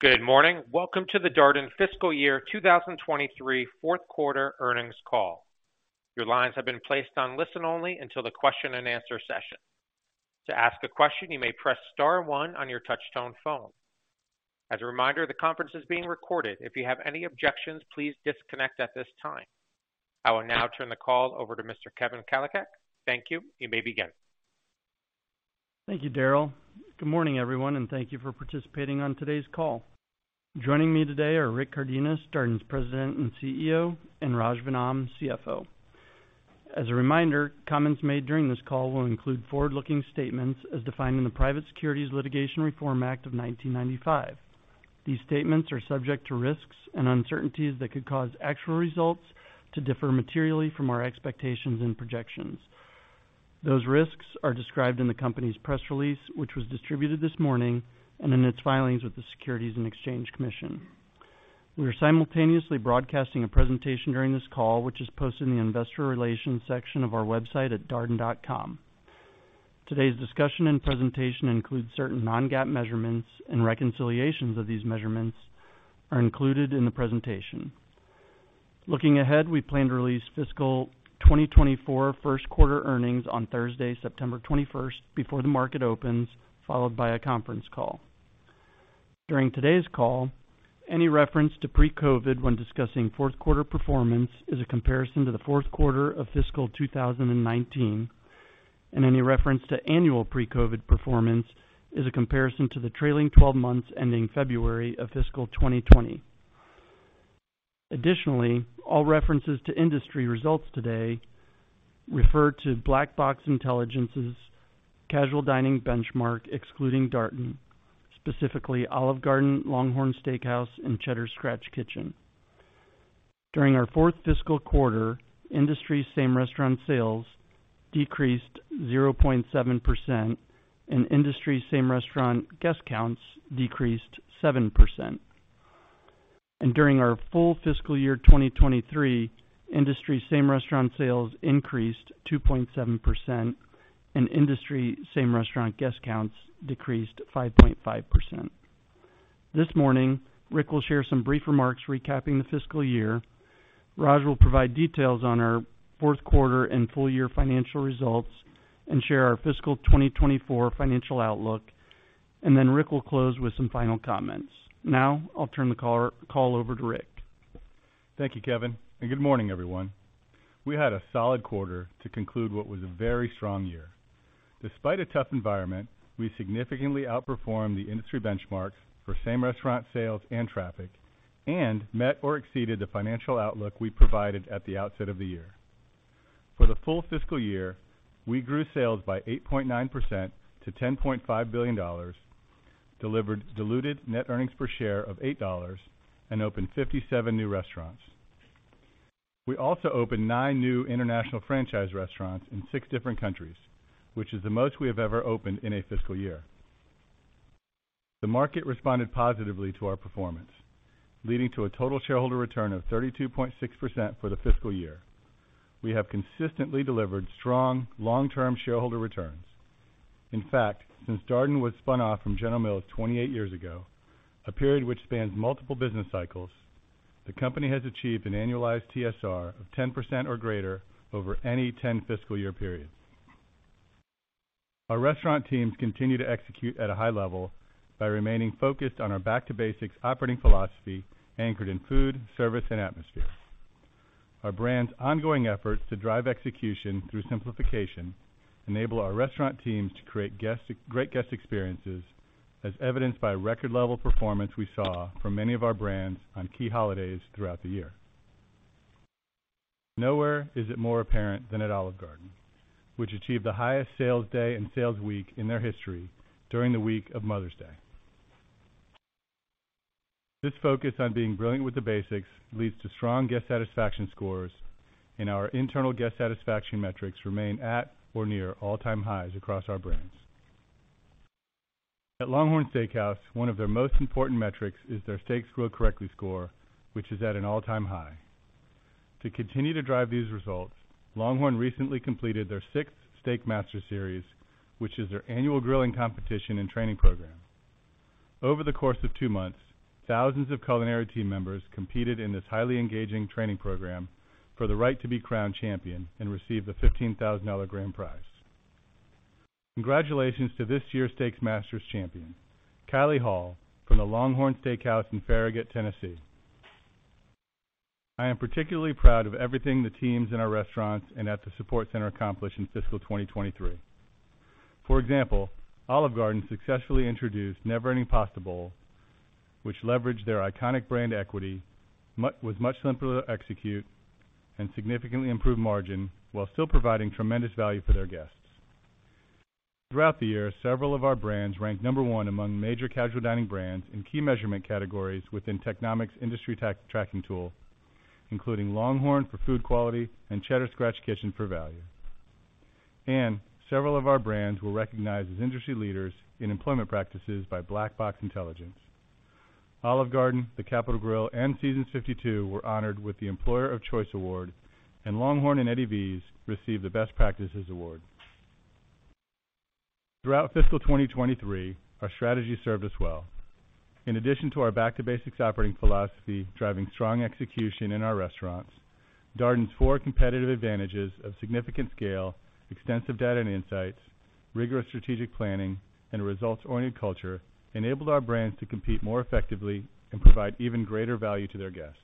Good morning! Welcome to the Darden Fiscal Year 2023 fourth quarter earnings call. Your lines have been placed on listen-only until the question and answer session. To ask a question, you may press star one on your touchtone phone. As a reminder, the conference is being recorded. If you have any objections, please disconnect at this time. I will now turn the call over to Mr. Kevin Kalicak. Thank you. You may begin. Thank you, Darryl. Good morning, everyone. Thank you for participating on today's call. Joining me today are Rick Cardenas, Darden's President and CEO, and Raj Vennam, CFO. As a reminder, comments made during this call will include forward-looking statements as defined in the Private Securities Litigation Reform Act of 1995. These statements are subject to risks and uncertainties that could cause actual results to differ materially from our expectations and projections. Those risks are described in the company's press release, which was distributed this morning, and in its filings with the Securities and Exchange Commission. We are simultaneously broadcasting a presentation during this call, which is posted in the Investor Relations section of our website at darden.com. Today's discussion and presentation includes certain non-GAAP measurements. Reconciliations of these measurements are included in the presentation. Looking ahead, we plan to release fiscal 2024 first quarter earnings on Thursday, September 21st, before the market opens, followed by a conference call. During today's call, any reference to pre-COVID when discussing fourth quarter performance is a comparison to the fourth quarter of fiscal 2019, and any reference to annual pre-COVID performance is a comparison to the trailing 12 months ending February of fiscal 2020. Additionally, all references to industry results today refer to Black Box Intelligence's casual dining benchmark, excluding Darden, specifically Olive Garden, LongHorn Steakhouse, and Cheddar's Scratch Kitchen. During our fourth fiscal quarter, industry same-restaurant sales decreased 0.7% and industry same-restaurant guest counts decreased 7%. During our full fiscal year 2023, industry same-restaurant sales increased 2.7% and industry same restaurant guest counts decreased 5.5%. This morning, Rick will share some brief remarks recapping the fiscal year. Raj will provide details on our fourth quarter and full year financial results and share our fiscal 2024 financial outlook, Rick will close with some final comments. Now, I'll turn the call over to Rick. Thank you, Kevin. Good morning, everyone. We had a solid quarter to conclude what was a very strong year. Despite a tough environment, we significantly outperformed the industry benchmarks for same-restaurant sales and traffic and met or exceeded the financial outlook we provided at the outset of the year. For the full fiscal year, we grew sales by 8.9% to $10.5 billion, delivered diluted net earnings per share of $8, and opened 57 new restaurants. We also opened 9 new international franchise restaurants in 6 different countries, which is the most we have ever opened in a fiscal year. The market responded positively to our performance, leading to a total shareholder return of 32.6% for the fiscal year. We have consistently delivered strong long-term shareholder returns. In fact, since Darden was spun off from General Mills 28 years ago, a period which spans multiple business cycles, the company has achieved an annualized TSR of 10% or greater over any 10 fiscal year periods. Our restaurant teams continue to execute at a high level by remaining focused on our back to basics operating philosophy, anchored in food, service, and atmosphere. Our brand's ongoing efforts to drive execution through simplification enable our restaurant teams to create Great guest experiences, as evidenced by record level performance we saw from many of our brands on key holidays throughout the year. Nowhere is it more apparent than at Olive Garden, which achieved the highest sales day and sales week in their history during the week of Mother's Day. This focus on being brilliant with the basics leads to strong guest satisfaction scores. Our internal guest satisfaction metrics remain at or near all-time highs across our brands. At LongHorn Steakhouse, one of their most important metrics is their Steak cooked correctly score, which is at an all-time high. To continue to drive these results, LongHorn recently completed their sixth Steak Master Series, which is their annual grilling competition and training program. Over the course of two months, thousands of culinary team members competed in this highly engaging training program for the right to be crowned champion and receive the $15,000 grand prize. Congratulations to this year's Steak Masters champion, Kylie Hall from the LongHorn Steakhouse in Farragut, Tennessee. I am particularly proud of everything the teams in our restaurants and at the support center accomplished in fiscal 2023. For example, Olive Garden successfully introduced Never Ending Pasta Bowl, which leveraged their iconic brand equity, was much simpler to execute and significantly improved margin, while still providing tremendous value for their guests. Throughout the year, several of our brands ranked number one among major casual dining brands in key measurement categories within Technomic's industry tracking tool, including LongHorn for food quality and Cheddar's Scratch Kitchen for value. Several of our brands were recognized as industry leaders in employment practices by Black Box Intelligence. Olive Garden, The Capital Grille, and Seasons 52 were honored with the Employer of Choice Award, and LongHorn and Eddie V's received the Best Practices Award. Throughout fiscal 2023, our strategy served us well. In addition to our back-to-basics operating philosophy, driving strong execution in our restaurants, Darden's four competitive advantages of significant scale, extensive data and insights, rigorous strategic planning, and a results-oriented culture enabled our brands to compete more effectively and provide even greater value to their guests.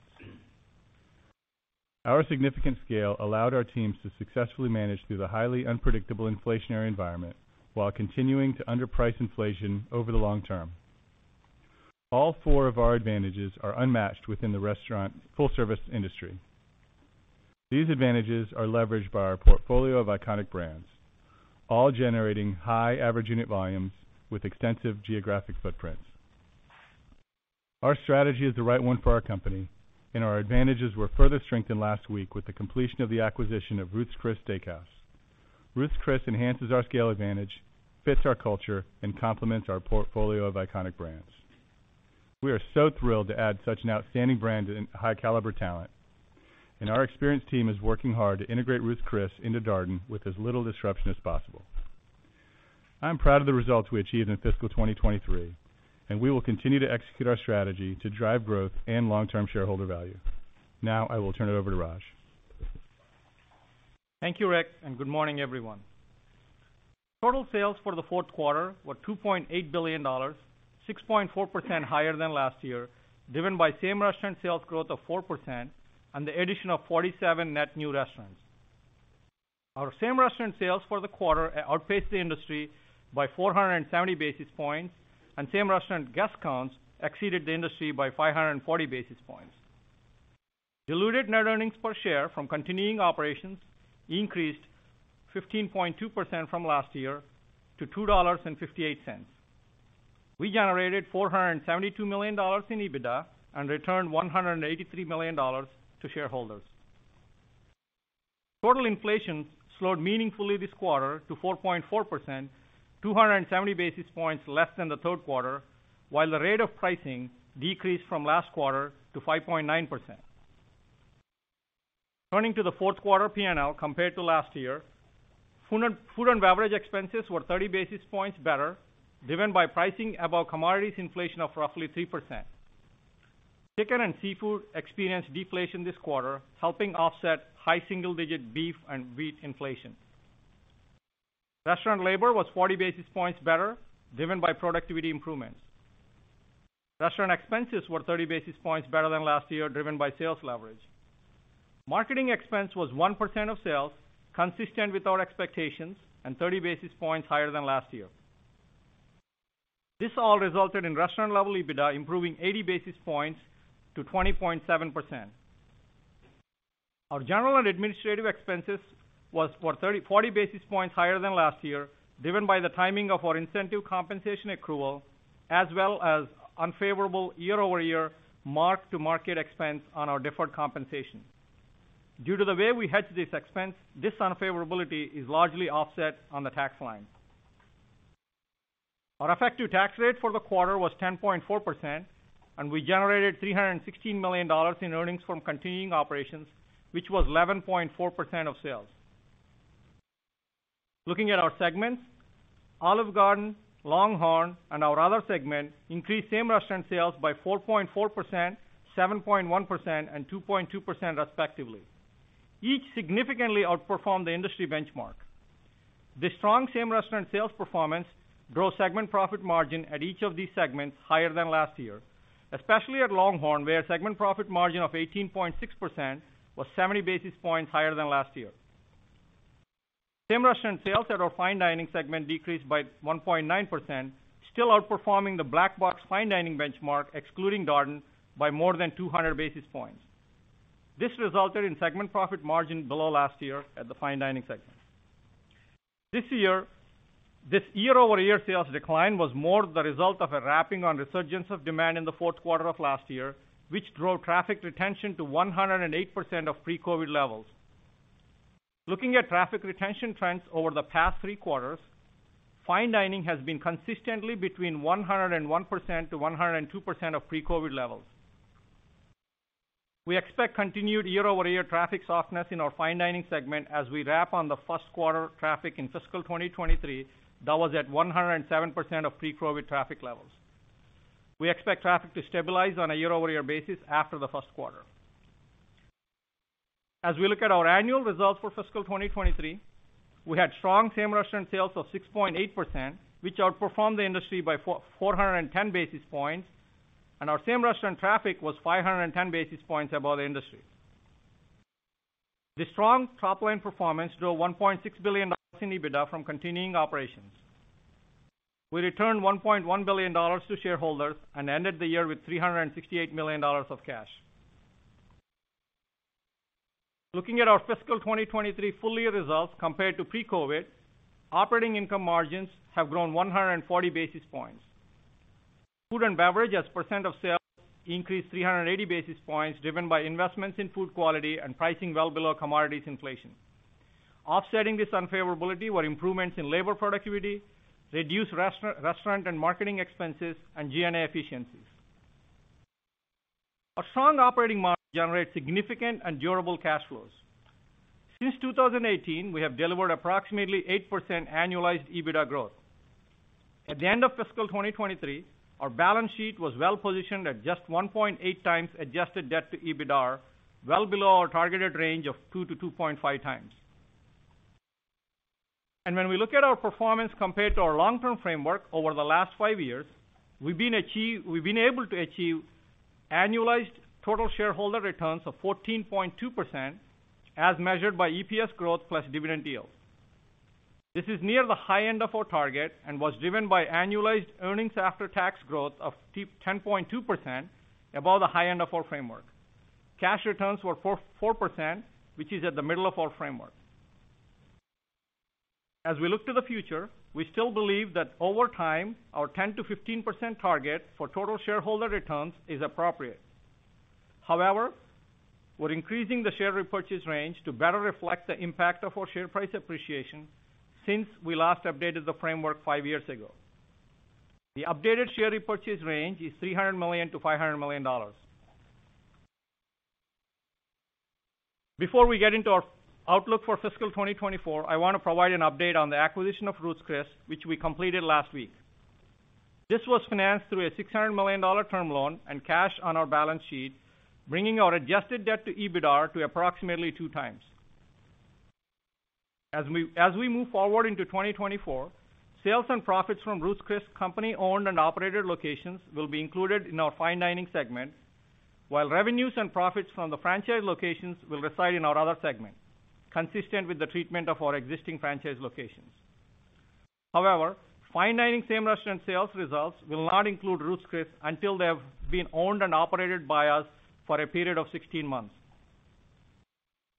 Our significant scale allowed our teams to successfully manage through the highly unpredictable inflationary environment, while continuing to underprice inflation over the long term. All four of our advantages are unmatched within the restaurant full-service industry. These advantages are leveraged by our portfolio of iconic brands, all generating high average unit volumes with extensive geographic footprints. Our strategy is the right one for our company, and our advantages were further strengthened last week with the completion of the acquisition of Ruth's Chris Steak House. Ruth's Chris enhances our scale advantage, fits our culture, and complements our portfolio of iconic brands. We are thrilled to add such an outstanding brand and high-caliber talent. Our experienced team is working hard to integrate Ruth's Chris into Darden with as little disruption as possible. I'm proud of the results we achieved in fiscal 2023. We will continue to execute our strategy to drive growth and long-term shareholder value. Now, I will turn it over to Raj. Thank you, Rick. Good morning, everyone. Total sales for the fourth quarter were $2.8 billion, 6.4% higher than last year, driven by same-restaurant sales growth of 4% and the addition of 47 net new restaurants. Our same-restaurant sales for the quarter outpaced the industry by 470 basis points, and same-restaurant guest counts exceeded the industry by 540 basis points. Diluted net earnings per share from continuing operations increased 15.2% from last year to $2.58. We generated $472 million in EBITDA and returned $183 million to shareholders. Total inflation slowed meaningfully this quarter to 4.4%, 270 basis points less than the third quarter, while the rate of pricing decreased from last quarter to 5.9%. To the fourth quarter P&L compared to last year, food and beverage expenses were 30 basis points better, driven by pricing above commodities inflation of roughly 3%. Chicken and seafood experienced deflation this quarter, helping offset high single-digit beef and wheat inflation. Restaurant labor was 40 basis points better, driven by productivity improvements. Restaurant expenses were 30 basis points better than last year, driven by sales leverage. Marketing expense was 1% of sales, consistent with our expectations, and 30 basis points higher than last year. This all resulted in restaurant-level EBITDA improving 80 basis points to 20.7%. Our General and Administrative expenses was for 30-40 basis points higher than last year, driven by the timing of our incentive compensation accrual, as well as unfavorable year-over-year mark-to-market expense on our deferred compensation. Due to the way we hedge this expense, this unfavorability is largely offset on the tax line. Our effective tax rate for the quarter was 10.4%, and we generated $316 million in earnings from continuing operations, which was 11.4% of sales. Looking at our segments, Olive Garden, LongHorn, and our other segments increased same-restaurant sales by 4.4%, 7.1%, and 2.2%, respectively. Each significantly outperformed the industry benchmark. This strong same-restaurant sales performance drove segment profit margin at each of these segments higher than last year, especially at LongHorn, where segment profit margin of 18.6% was 70 basis points higher than last year. Same-restaurant sales at our fine dining segment decreased by 1.9%, still outperforming the Black Box fine dining benchmark, excluding Darden, by more than 200 basis points. This resulted in segment profit margin below last year at the fine dining segment. This year-over-year sales decline was more the result of a wrapping on resurgence of demand in the fourth quarter of last year, which drove traffic retention to 108% of pre-COVID levels. Looking at traffic retention trends over the past three quarters, fine dining has been consistently between 101%-102% of pre-COVID levels. We expect continued year-over-year traffic softness in our fine dining segment as we wrap on the first quarter traffic in fiscal 2023, that was at 107% of pre-COVID traffic levels. We expect traffic to stabilize on a year-over-year basis after the first quarter. We look at our annual results for fiscal 2023, we had strong same-restaurant sales of 6.8%, which outperformed the industry by 410 basis points, and our same-restaurant traffic was 510 basis points above the industry. This strong top-line performance drove $1.6 billion in EBITDA from continuing operations. We returned $1.1 billion to shareholders and ended the year with $368 million of cash. Looking at our fiscal 2023 full year results compared to pre-COVID, operating income margins have grown 140 basis points. Food and beverage, as percent of sales, increased 380 basis points, driven by investments in food quality and pricing well below commodities inflation. Offsetting this unfavorability were improvements in labor productivity, reduced restaurant and marketing expenses, and G&A efficiencies. Our strong operating margin generates significant and durable cash flows. Since 2018, we have delivered approximately 8% annualized EBITDA growth. At the end of fiscal 2023, our balance sheet was well positioned at just 1.8 times adjusted debt to EBITDA, well below our targeted range of 2 to 2.5 times. When we look at our performance compared to our long-term framework over the last five years, we've been able to achieve annualized total shareholder returns of 14.2%, as measured by EPS growth plus dividend deals. This is near the high end of our target and was driven by annualized earnings after tax growth of 10.2%, above the high end of our framework. Cash returns were 4.4%, which is at the middle of our framework. We still believe that over time, our 10%-15% target for total shareholder returns is appropriate. We're increasing the share repurchase range to better reflect the impact of our share price appreciation since we last updated the framework five years ago. The updated share repurchase range is $300 million-$500 million. Before we get into our outlook for fiscal 2024, I want to provide an update on the acquisition of Ruth's Chris, which we completed last week. This was financed through a $600 million term loan and cash on our balance sheet, bringing our adjusted debt to EBITDA to approximately two times. As we move forward into 2024, sales and profits from Ruth's Chris company-owned and operated locations will be included in our fine dining segment, while revenues and profits from the franchise locations will reside in our other segment, consistent with the treatment of our existing franchise locations. However, fine dining same-restaurant sales results will not include Ruth's Chris until they have been owned and operated by us for a period of 16 months.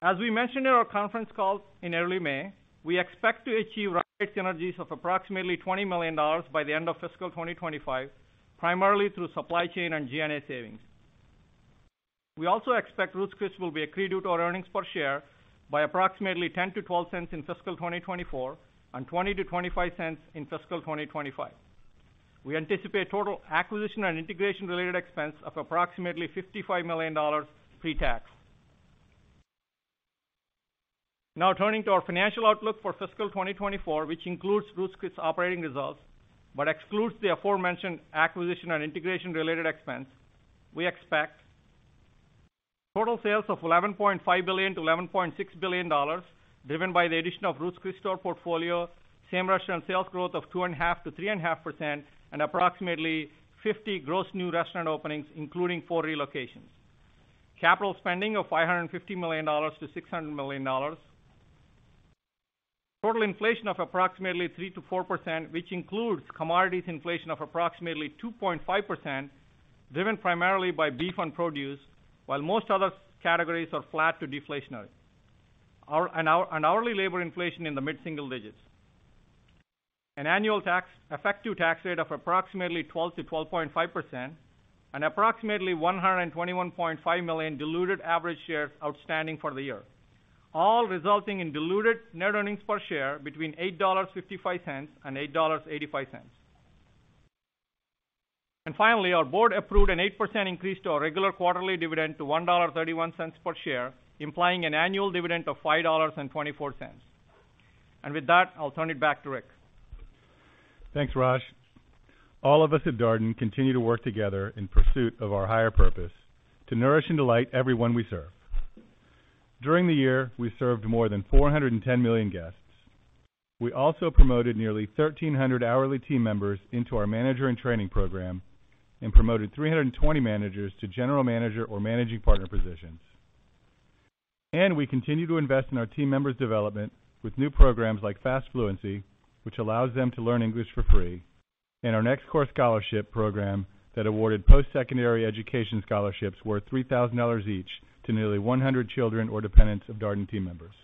As we mentioned in our conference call in early May, we expect to achieve synergies of approximately $20 million by the end of fiscal 2025, primarily through supply chain and G&A savings. We also expect Ruth's Chris will be accretive to our earnings per share by approximately $0.10-$0.12 in fiscal 2024 and $0.20-$0.25 in fiscal 2025. We anticipate total acquisition and integration-related expense of approximately $55 million pre-tax. Turning to our financial outlook for fiscal 2024, which includes Ruth's Chris operating results, but excludes the aforementioned acquisition and integration-related expense, we expect total sales of $11.5 billion-$11.6 billion, driven by the addition of Ruth's Chris store portfolio, same-restaurant sales growth of 2.5%-3.5%, and approximately 50 gross new restaurant openings, including 4 relocations. Capital spending of $550 million-$600 million. Total inflation of approximately 3%-4%, which includes commodities inflation of approximately 2.5%, driven primarily by beef and produce, while most other categories are flat to deflationary. Our hourly labor inflation in the mid-single digits. An annual effective tax rate of approximately 12%-12.5%, approximately 121.5 million diluted average shares outstanding for the year, all resulting in diluted net earnings per share between $8.55 and $8.85. Finally, our board approved an 8% increase to our regular quarterly dividend to $1.31 per share, implying an annual dividend of $5.24. With that, I'll turn it back to Rick. Thanks, Raj. All of us at Darden continue to work together in pursuit of our higher purpose, to nourish and delight everyone we serve. During the year, we served more than 410 million guests. We also promoted nearly 1,300 hourly team members into our manager-in-training program and promoted 320 managers to general manager or managing partner positions. We continue to invest in our team members' development with new programs like Fast Fluency, which allows them to learn English for free, and our Next Course Scholarship Program that awarded postsecondary education scholarships worth $3,000 each to nearly 100 children or dependents of Darden team members.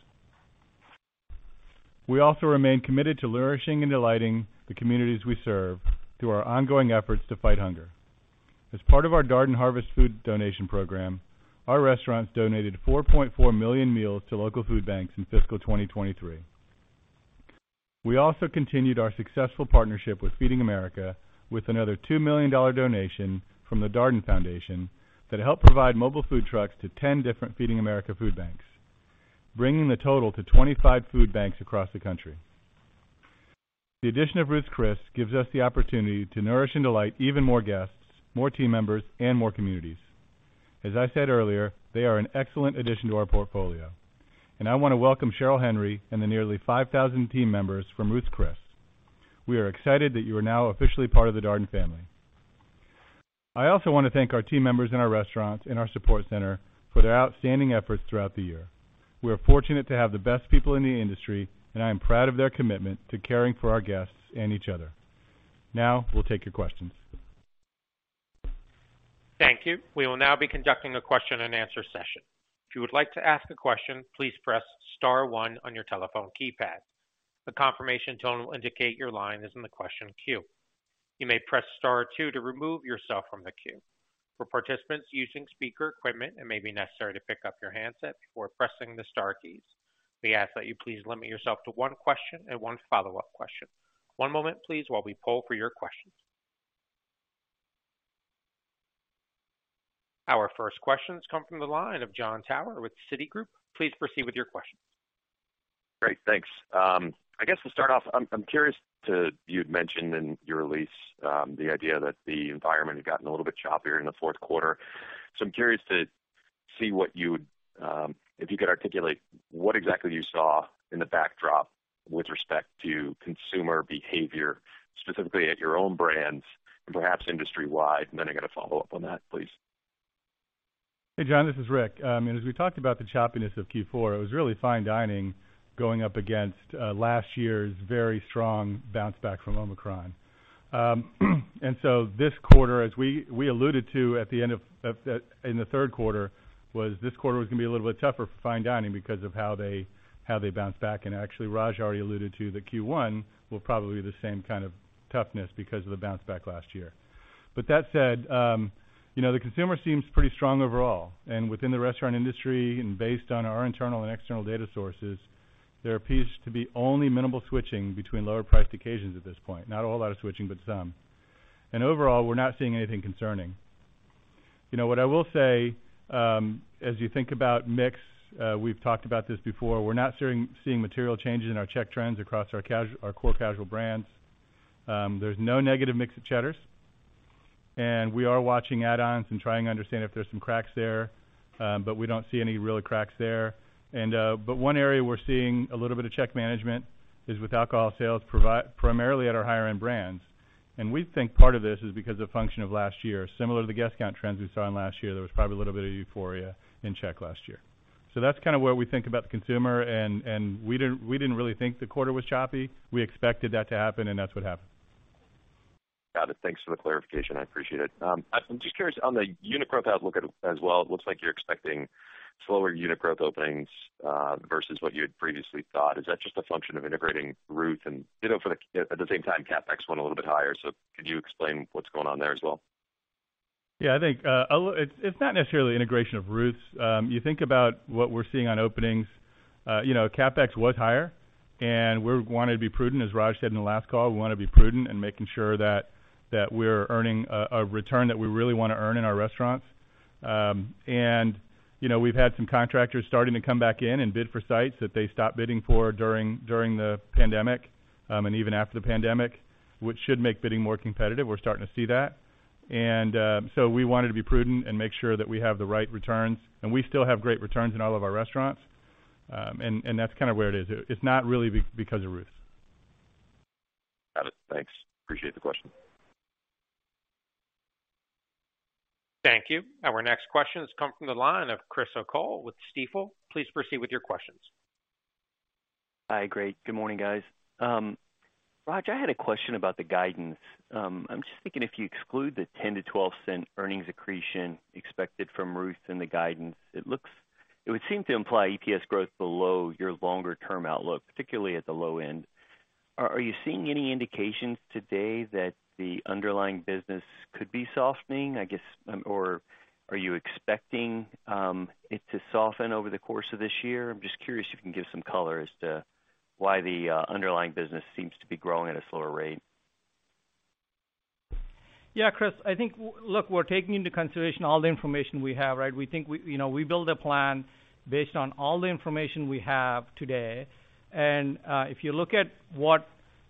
We also remain committed to nourishing and delighting the communities we serve through our ongoing efforts to fight hunger. As part of our Darden Harvest Food Donation program, our restaurants donated 4.4 million meals to local food banks in fiscal 2023. We also continued our successful partnership with Feeding America, with another $2 million donation from the Darden Foundation, that helped provide mobile food trucks to 10 different Feeding America food banks, bringing the total to 25 food banks across the country. The addition of Ruth's Chris gives us the opportunity to nourish and delight even more guests, more team members, and more communities. As I said earlier, they are an excellent addition to our portfolio, I want to welcome Cheryl Henry and the nearly 5,000 team members from Ruth's Chris. We are excited that you are now officially part of the Darden family. I also want to thank our team members in our restaurants and our support center for their outstanding efforts throughout the year. We are fortunate to have the best people in the industry, and I am proud of their commitment to caring for our guests and each other. Now, we'll take your questions. Thank you. We will now be conducting a question-and-answer session. If you would like to ask a question, please press star one on your telephone keypad. A confirmation tone will indicate your line is in the question queue. You may press star two to remove yourself from the queue. For participants using speaker equipment, it may be necessary to pick up your handset before pressing the star keys. We ask that you please limit yourself to one question and one follow-up question. One moment, please, while we poll for your questions. Our first questions come from the line of Jon Tower with Citigroup. Please proceed with your question. Great, thanks. I guess to start off, you'd mentioned in your release, the idea that the environment had gotten a little bit choppier in the fourth quarter. I'm curious to see what you would, if you could articulate what exactly you saw in the backdrop with respect to consumer behavior, specifically at your own brands and perhaps industry-wide. I got a follow-up on that, please. Hey, John, this is Rick. As we talked about the choppiness of Q4, it was really fine dining going up against last year's very strong bounce back from Omicron. This quarter, as we alluded to at the end of in the third quarter, was this quarter was going to be a little bit tougher for fine dining because of how they bounced back. Actually, Raj already alluded to that Q1 will probably be the same kind of toughness because of the bounce back last year. That said, you know, the consumer seems pretty strong overall, and within the restaurant industry and based on our internal and external data sources, there appears to be only minimal switching between lower-priced occasions at this point. Not a whole lot of switching, but some. Overall, we're not seeing anything concerning. You know, what I will say, as you think about mix, we've talked about this before, we're not seeing material changes in our check trends across our core casual brands. There's no negative mix of Cheddar's, and we are watching add-ons and trying to understand if there's some cracks there, but we don't see any really cracks there. But one area we're seeing a little bit of check management is with alcohol sales, primarily at our higher-end brands. We think part of this is because a function of last year, similar to the guest count trends we saw in last year, there was probably a little bit of euphoria in check last year. That's kind of where we think about the consumer, and we didn't really think the quarter was choppy. We expected that to happen, and that's what happened. Got it. Thanks for the clarification. I appreciate it. I'm just curious, on the unit growth outlook as well, it looks like you're expecting slower unit growth openings versus what you had previously thought. Is that just a function of integrating Ruth's? You know, for the, at the same time, CapEx went a little bit higher. Could you explain what's going on there as well? Yeah, I think It's not necessarily integration of Ruth's. You think about what we're seeing on openings, you know, CapEx was higher, and we're wanting to be prudent, as Raj said in the last call, we wanna be prudent in making sure that we're earning a return that we really wanna earn in our restaurants. You know, we've had some contractors starting to come back in and bid for sites that they stopped bidding for during the pandemic, and even after the pandemic, which should make bidding more competitive. We're starting to see that. We wanted to be prudent and make sure that we have the right returns, and we still have great returns in all of our restaurants. That's kind of where it is. It's not really because of Ruth's. Got it. Thanks. Appreciate the question. Thank you. Our next question has come from the line of Chris O'Cull with Stifel. Please proceed with your questions. Hi, great. Good morning, guys. Raj, I had a question about the guidance. I'm just thinking, if you exclude the $0.10-$0.12 earnings accretion expected from Ruth's in the guidance, it would seem to imply EPS growth below your longer-term outlook, particularly at the low end. Are you seeing any indications today that the underlying business could be softening, I guess, or are you expecting it to soften over the course of this year? I'm just curious if you can give some color as to why the underlying business seems to be growing at a slower rate? Yeah, Chris, I think, look, we're taking into consideration all the information we have, right? We think we, you know, we build a plan based on all the information we have today. If you look at what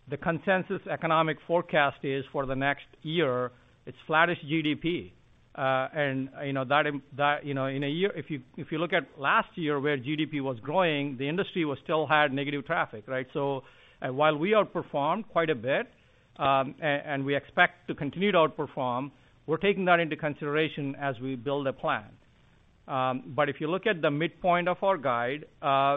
the consensus economic forecast is for the next year, it's flattish GDP. You know, that, you know, in a year if you look at last year, where GDP was growing, the industry was still had negative traffic, right? While we outperformed quite a bit, and we expect to continue to outperform, we're taking that into consideration as we build a plan. If you look at the midpoint of our guide,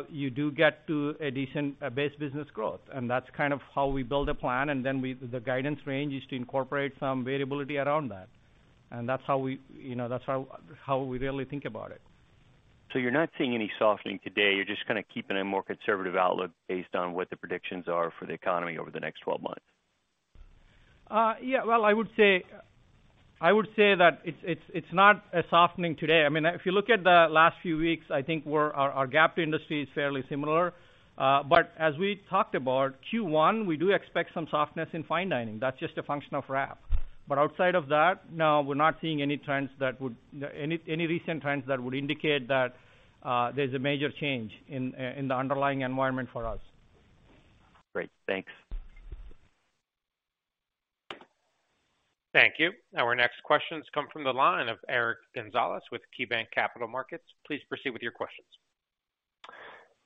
you do get to a decent, base business growth, that's kind of how we build a plan, then the guidance range is to incorporate some variability around that. That's how we, you know, that's how we really think about it. You're not seeing any softening today, you're just kind of keeping a more conservative outlook based on what the predictions are for the economy over the next 12 months? Yeah, well, I would say that it's not a softening today. I mean, if you look at the last few weeks, I think our gap to industry is fairly similar. As we talked about Q1, we do expect some softness in fine dining. That's just a function of wrap. Outside of that, no, we're not seeing any recent trends that would indicate that, there's a major change in the underlying environment for us. Great. Thanks. Thank you. Our next question has come from the line of Eric Gonzalez with KeyBanc Capital Markets. Please proceed with your questions.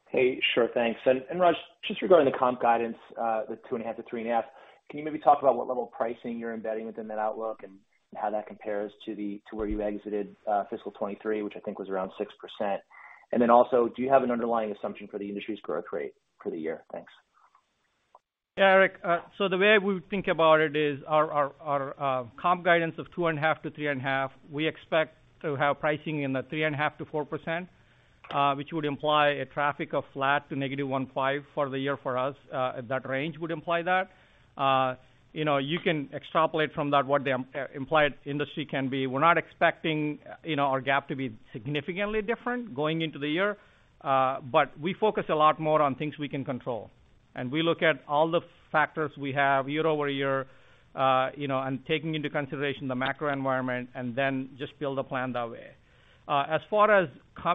Hey, sure. Thanks. Raj, just regarding the comp guidance, the 2.5%-3.5%, can you maybe talk about what level of pricing you're embedding within that outlook and how that compares to where you exited, fiscal 2023, which I think was around 6%? Also, do you have an underlying assumption for the industry's growth rate for the year? Thanks. Yeah, Eric, the way we think about it is our comp guidance of 2.5% to 3.5%, we expect to have pricing in the 3.5% to 4%, which would imply a traffic of flat to -1.5% for the year for us. That range would imply that. You know, you can extrapolate from that what the implied industry can be. We're not expecting, you know, our gap to be significantly different going into the year, but we focus a lot more on things we can control. We look at all the factors we have year-over-year, you know, and taking into consideration the macro environment and then just build a plan that way. As far as,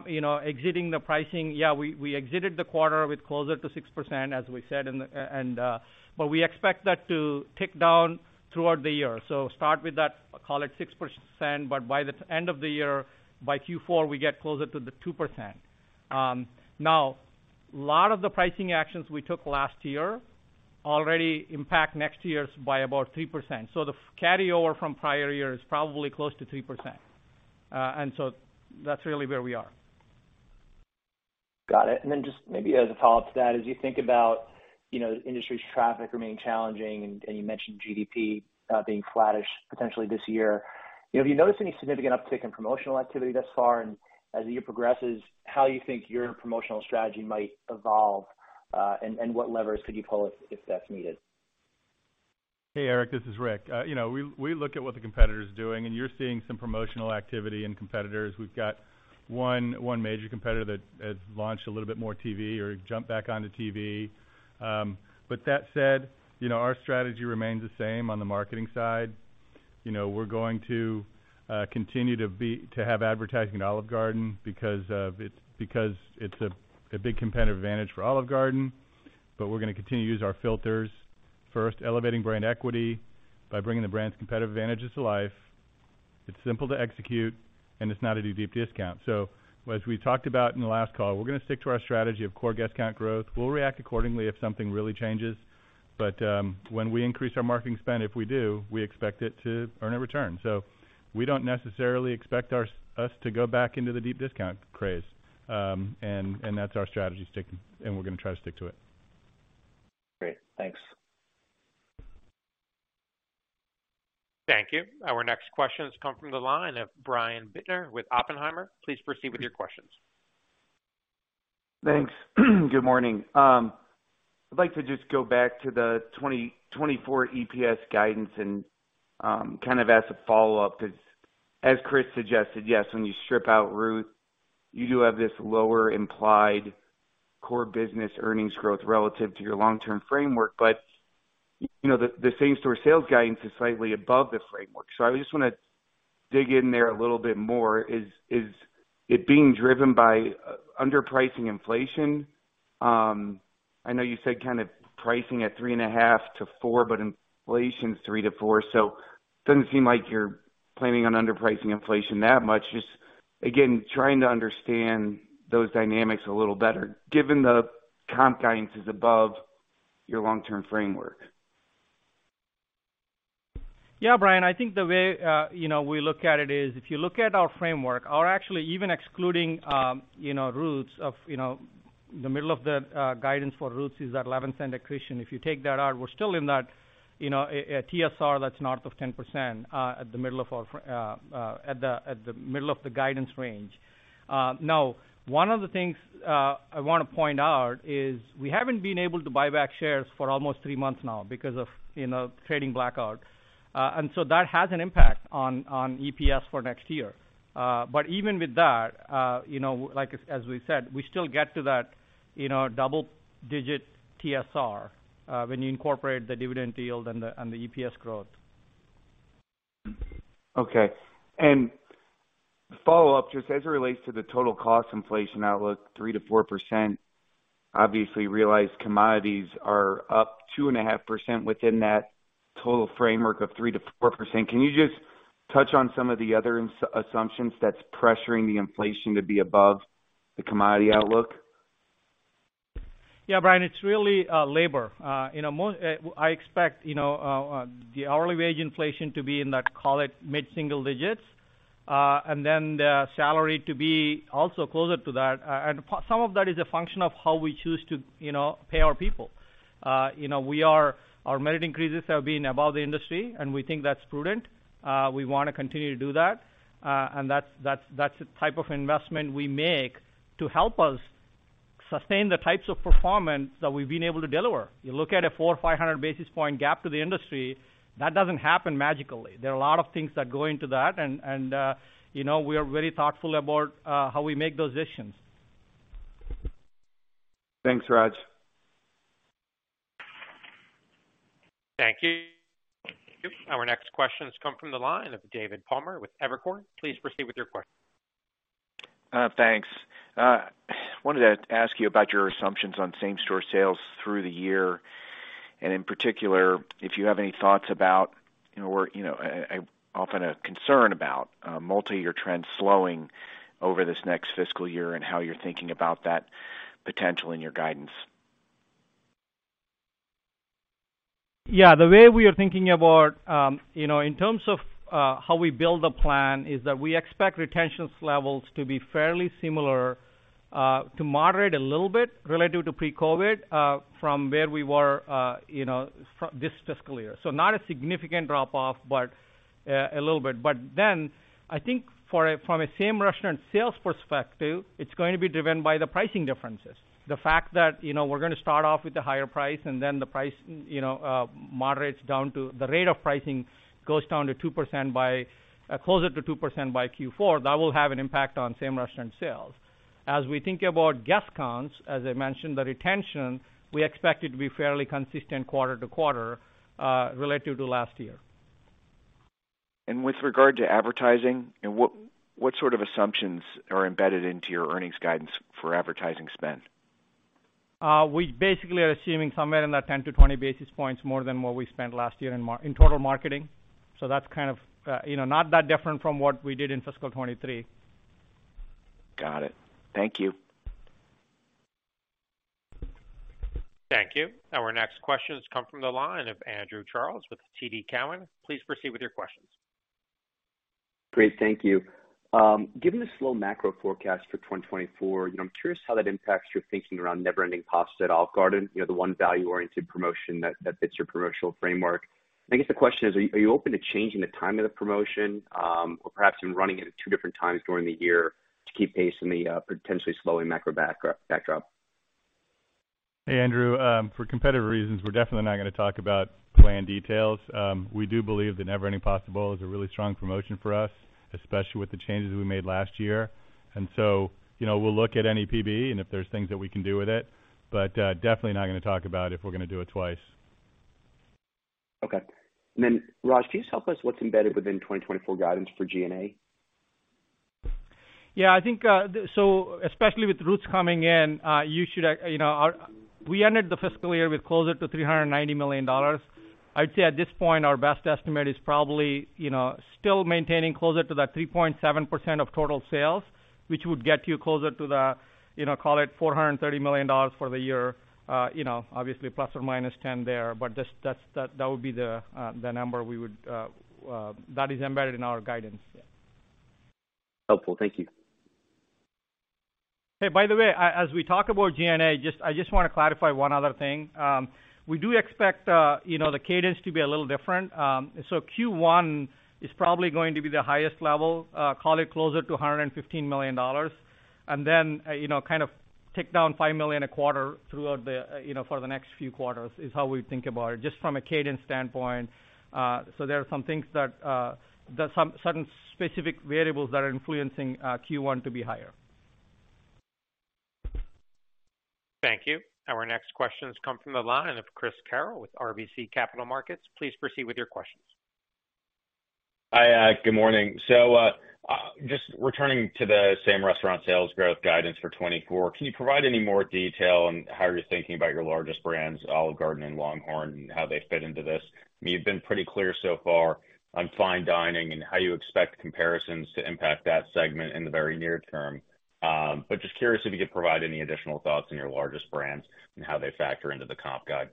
you know, exiting the pricing, yeah, we exited the quarter with closer to 6%, as we said. We expect that to tick down throughout the year. Start with that, call it 6%, but by the end of the year, by Q4, we get closer to the 2%. Now, a lot of the pricing actions we took last year already impact next year's by about 3%. The carryover from prior year is probably close to 3%. That's really where we are. Got it. Just maybe as a follow-up to that, as you think about, you know, the industry's traffic remaining challenging, and you mentioned GDP being flattish potentially this year, you know, have you noticed any significant uptick in promotional activity thus far? As the year progresses, how you think your promotional strategy might evolve, and what levers could you pull if that's needed? Hey, Eric, this is Rick. you know, we look at what the competitor is doing. You're seeing some promotional activity in competitors. We've got one major competitor that has launched a little bit more TV or jumped back onto TV. That said, you know, our strategy remains the same on the marketing side. You know, we're going to continue to have advertising at Olive Garden because it's because it's a big competitive advantage for Olive Garden. We're gonna continue to use our filters, first, elevating brand equity by bringing the brand's competitive advantages to life. It's simple to execute, and it's not a deep discount. As we talked about in the last call, we're gonna stick to our strategy of core guest count growth. We'll react accordingly if something really changes, when we increase our marketing spend, if we do, we expect it to earn a return. We don't necessarily expect us to go back into the deep discount craze. That's our strategy, stick, and we're gonna try to stick to it. Great. Thanks. Thank you. Our next question has come from the line of Brian Bittner with Oppenheimer. Please proceed with your questions. Thanks. Good morning. I'd like to just go back to the 2024 EPS guidance and, kind of as a follow-up, 'cause as Chris suggested, yes, when you strip out Ruth, you do have this lower implied core business earnings growth relative to your long-term framework. You know, the same-store sales guidance is slightly above the framework. I just wanna dig in there a little bit more. Is it being driven by underpricing inflation? I know you said kind of pricing at 3.5%-4%, but inflation's 3%-4%, so it doesn't seem like you're planning on underpricing inflation that much. Just, again, trying to understand those dynamics a little better, given the comp guidance is above your long-term framework. Yeah, Brian, I think the way, you know, we look at it is, if you look at our framework, or actually even excluding, you know, Ruth's of, you know, the middle of the guidance for Ruth's is that $0.11 accretion. If you take that out, we're still in that, you know, a TSR that's north of 10% at the middle of the guidance range. Now, one of the things I want to point out is we haven't been able to buy back shares for almost 3 months now because of, you know, trading blackout. That has an impact on EPS for next year. Even with that, you know, like, as we said, we still get to that, you know, double-digit TSR, when you incorporate the dividend yield and the EPS growth. Okay. Follow-up, just as it relates to the total cost inflation outlook, 3%-4%, obviously, realized commodities are up 2.5% within that total framework of 3%-4%. Can you just touch on some of the other assumptions that's pressuring the inflation to be above the commodity outlook? Yeah, Brian, it's really labor. You know, I expect, you know, the hourly wage inflation to be in that, call it, mid-single digits, and then the salary to be also closer to that. Some of that is a function of how we choose to, you know, pay our people. You know, our merit increases have been above the industry, and we think that's prudent. We wanna continue to do that, and that's the type of investment we make to help us sustain the types of performance that we've been able to deliver. You look at a 400 or 500 basis point gap to the industry, that doesn't happen magically. There are a lot of things that go into that, and, you know, we are very thoughtful about, how we make those decisions. Thanks, Raj. Thank you. Our next question has come from the line of David Palmer with Evercore. Please proceed with your question. Thanks. I wanted to ask you about your assumptions on same store sales through the year, and in particular, if you have any thoughts about, you know, or, you know, often a concern about multi-year trends slowing over this next fiscal year and how you're thinking about that potential in your guidance? Yeah, the way we are thinking about, you know, in terms of how we build the plan, is that we expect retention levels to be fairly similar, to moderate a little bit relative to pre-COVID, from where we were, you know, this fiscal year. Not a significant drop-off, but a little bit. I think from a same-restaurant sales perspective, it's going to be driven by the pricing differences. The fact that, you know, we're gonna start off with a higher price, and then the price, you know, moderates down to the rate of pricing, goes down to 2% by closer to 2% by Q4, that will have an impact on same-restaurant sales. As we think about guest counts, as I mentioned, the retention, we expect it to be fairly consistent quarter to quarter, relative to last year. With regard to advertising, what sort of assumptions are embedded into your earnings guidance for advertising spend? We basically are assuming somewhere in that 10 to 20 basis points more than what we spent last year in total marketing. That's kind of, you know, not that different from what we did in fiscal 2023. Got it. Thank you. Thank you. Our next question has come from the line of Andrew Charles with TD Cowen. Please proceed with your questions. Great, thank you. Given the slow macro forecast for 2024, you know, I'm curious how that impacts your thinking around Never Ending Pasta Bowl at Olive Garden, you know, the one value-oriented promotion that fits your promotional framework. I guess the question is, are you open to changing the timing of the promotion, or perhaps even running it at 2 different times during the year to keep pace in the potentially slowing macro backdrop? Hey, Andrew, for competitive reasons, we're definitely not gonna talk about plan details. We do believe that Never Ending Pasta Bowl is a really strong promotion for us, especially with the changes we made last year. You know, we'll look at NEPB and if there's things that we can do with it, but, definitely not gonna talk about if we're gonna do it twice. Okay. Then, Raj, can you just help us what's embedded within 2024 guidance for G&A? Yeah, I think, especially with Ruth's coming in, you know, we ended the fiscal year with closer to $390 million. I'd say at this point, our best estimate is probably, you know, still maintaining closer to that 3.7% of total sales, which would get you closer to the, you know, call it $430 million for the year, you know, obviously ±$10 million there. That would be the number we would that is embedded in our guidance, yeah. Helpful. Thank you. By the way, as we talk about G&A, just, I just wanna clarify one other thing. We do expect, you know, the cadence to be a little different. Q1 is probably going to be the highest level, call it closer to $115 million, and then, you know, kind of tick down $5 million a quarter throughout, you know, for the next few quarters, is how we think about it, just from a cadence standpoint. There are some things that certain specific variables that are influencing Q1 to be higher. Thank you. Our next question has come from the line of Chris Carril with RBC Capital Markets. Please proceed with your questions. Hi, good morning. Just returning to the same-restaurant sales growth guidance for 2024, can you provide any more detail on how you're thinking about your largest brands, Olive Garden and LongHorn, and how they fit into this? You've been pretty clear so far on fine dining and how you expect comparisons to impact that segment in the very near term. Just curious if you could provide any additional thoughts on your largest brands and how they factor into the comp guide.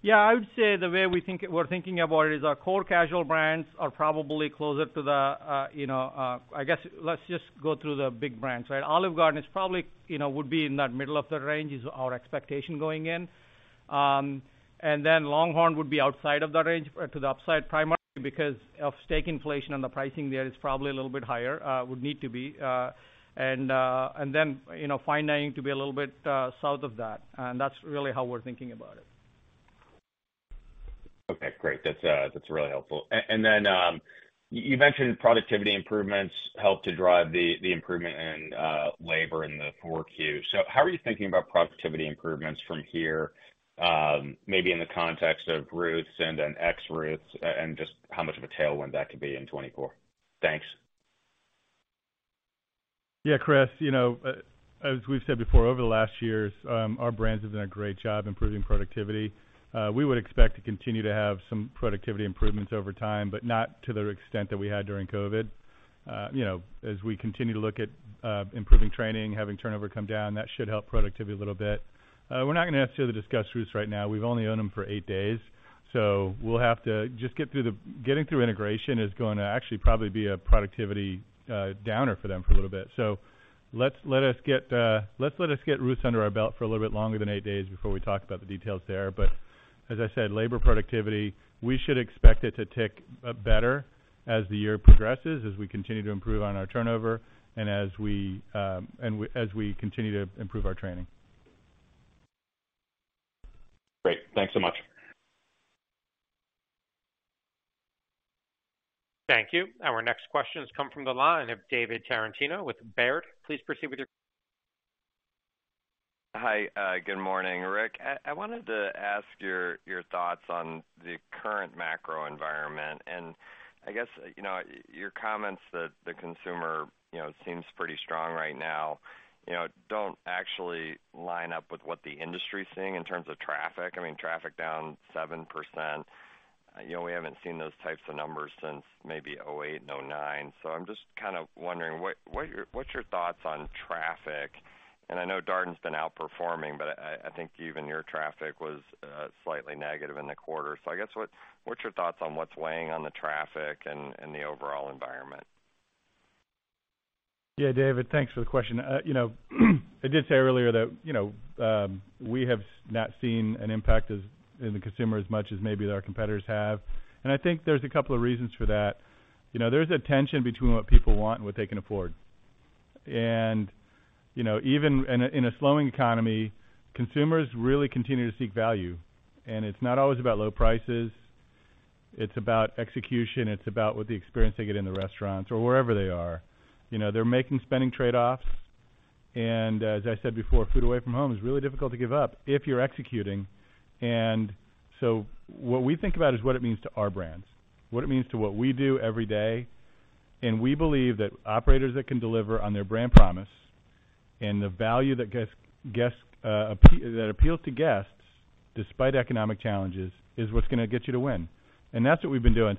Yeah, I would say the way we're thinking about it is our core casual brands are probably closer to the, you know, I guess, let's just go through the big brands, right? Olive Garden is probably, you know, would be in that middle of the range, is our expectation going in. LongHorn would be outside of the range, or to the upside, primarily because of steak inflation, and the pricing there is probably a little bit higher, would need to be. You know, fine dining to be a little bit south of that, and that's really how we're thinking about it. Okay, great. That's, that's really helpful. Then, you mentioned productivity improvements help to drive the improvement in labor in the 4Q. How are you thinking about productivity improvements from here, maybe in the context of Ruth's and then ex-Ruth's, just how much of a tailwind that could be in 2024? Thanks. Yeah, Chris, you know, as we've said before, over the last years, our brands have done a great job improving productivity. We would expect to continue to have some productivity improvements over time, but not to the extent that we had during COVID. You know, as we continue to look at, improving training, having turnover come down, that should help productivity a little bit. We're not gonna ask you to discuss Ruth's right now. We've only owned them for eight days, so we'll have to just get through integration is going to actually probably be a productivity, downer for them for a little bit. Let us get Ruth's under our belt for a little bit longer than eight days before we talk about the details there. As I said, labor productivity, we should expect it to tick better as the year progresses, as we continue to improve on our turnover and as we continue to improve our training. Great. Thanks so much. Thank you. Our next question has come from the line of David Tarantino with Baird. Please proceed with your. Hi, good morning, Rick. I wanted to ask your thoughts on the current macro environment. I guess, you know, your comments that the consumer, you know, seems pretty strong right now, you know, don't actually line up with what the industry is seeing in terms of traffic. I mean, traffic down 7%. You know, we haven't seen those types of numbers since maybe 2008, 2009. I'm just kind of wondering, what's your thoughts on traffic? I know Darden's been outperforming, but I think even your traffic was slightly negative in the quarter. I guess, what's your thoughts on what's weighing on the traffic and the overall environment? Yeah, David, thanks for the question. you know, I did say earlier that, you know, we have not seen an impact in the consumer as much as maybe our competitors have. I think there's a couple of reasons for that. You know, there's a tension between what people want and what they can afford. you know, even in a, in a slowing economy, consumers really continue to seek value. It's not always about low prices, it's about execution, it's about what the experience they get in the restaurants or wherever they are. You know, they're making spending trade-offs. As I said before, food away from home is really difficult to give up if you're executing. What we think about is what it means to our brands, what it means to what we do every day. We believe that operators that can deliver on their brand promise and the value that guests that appeals to guests despite economic challenges, is what's going to get you to win. That's what we've been doing.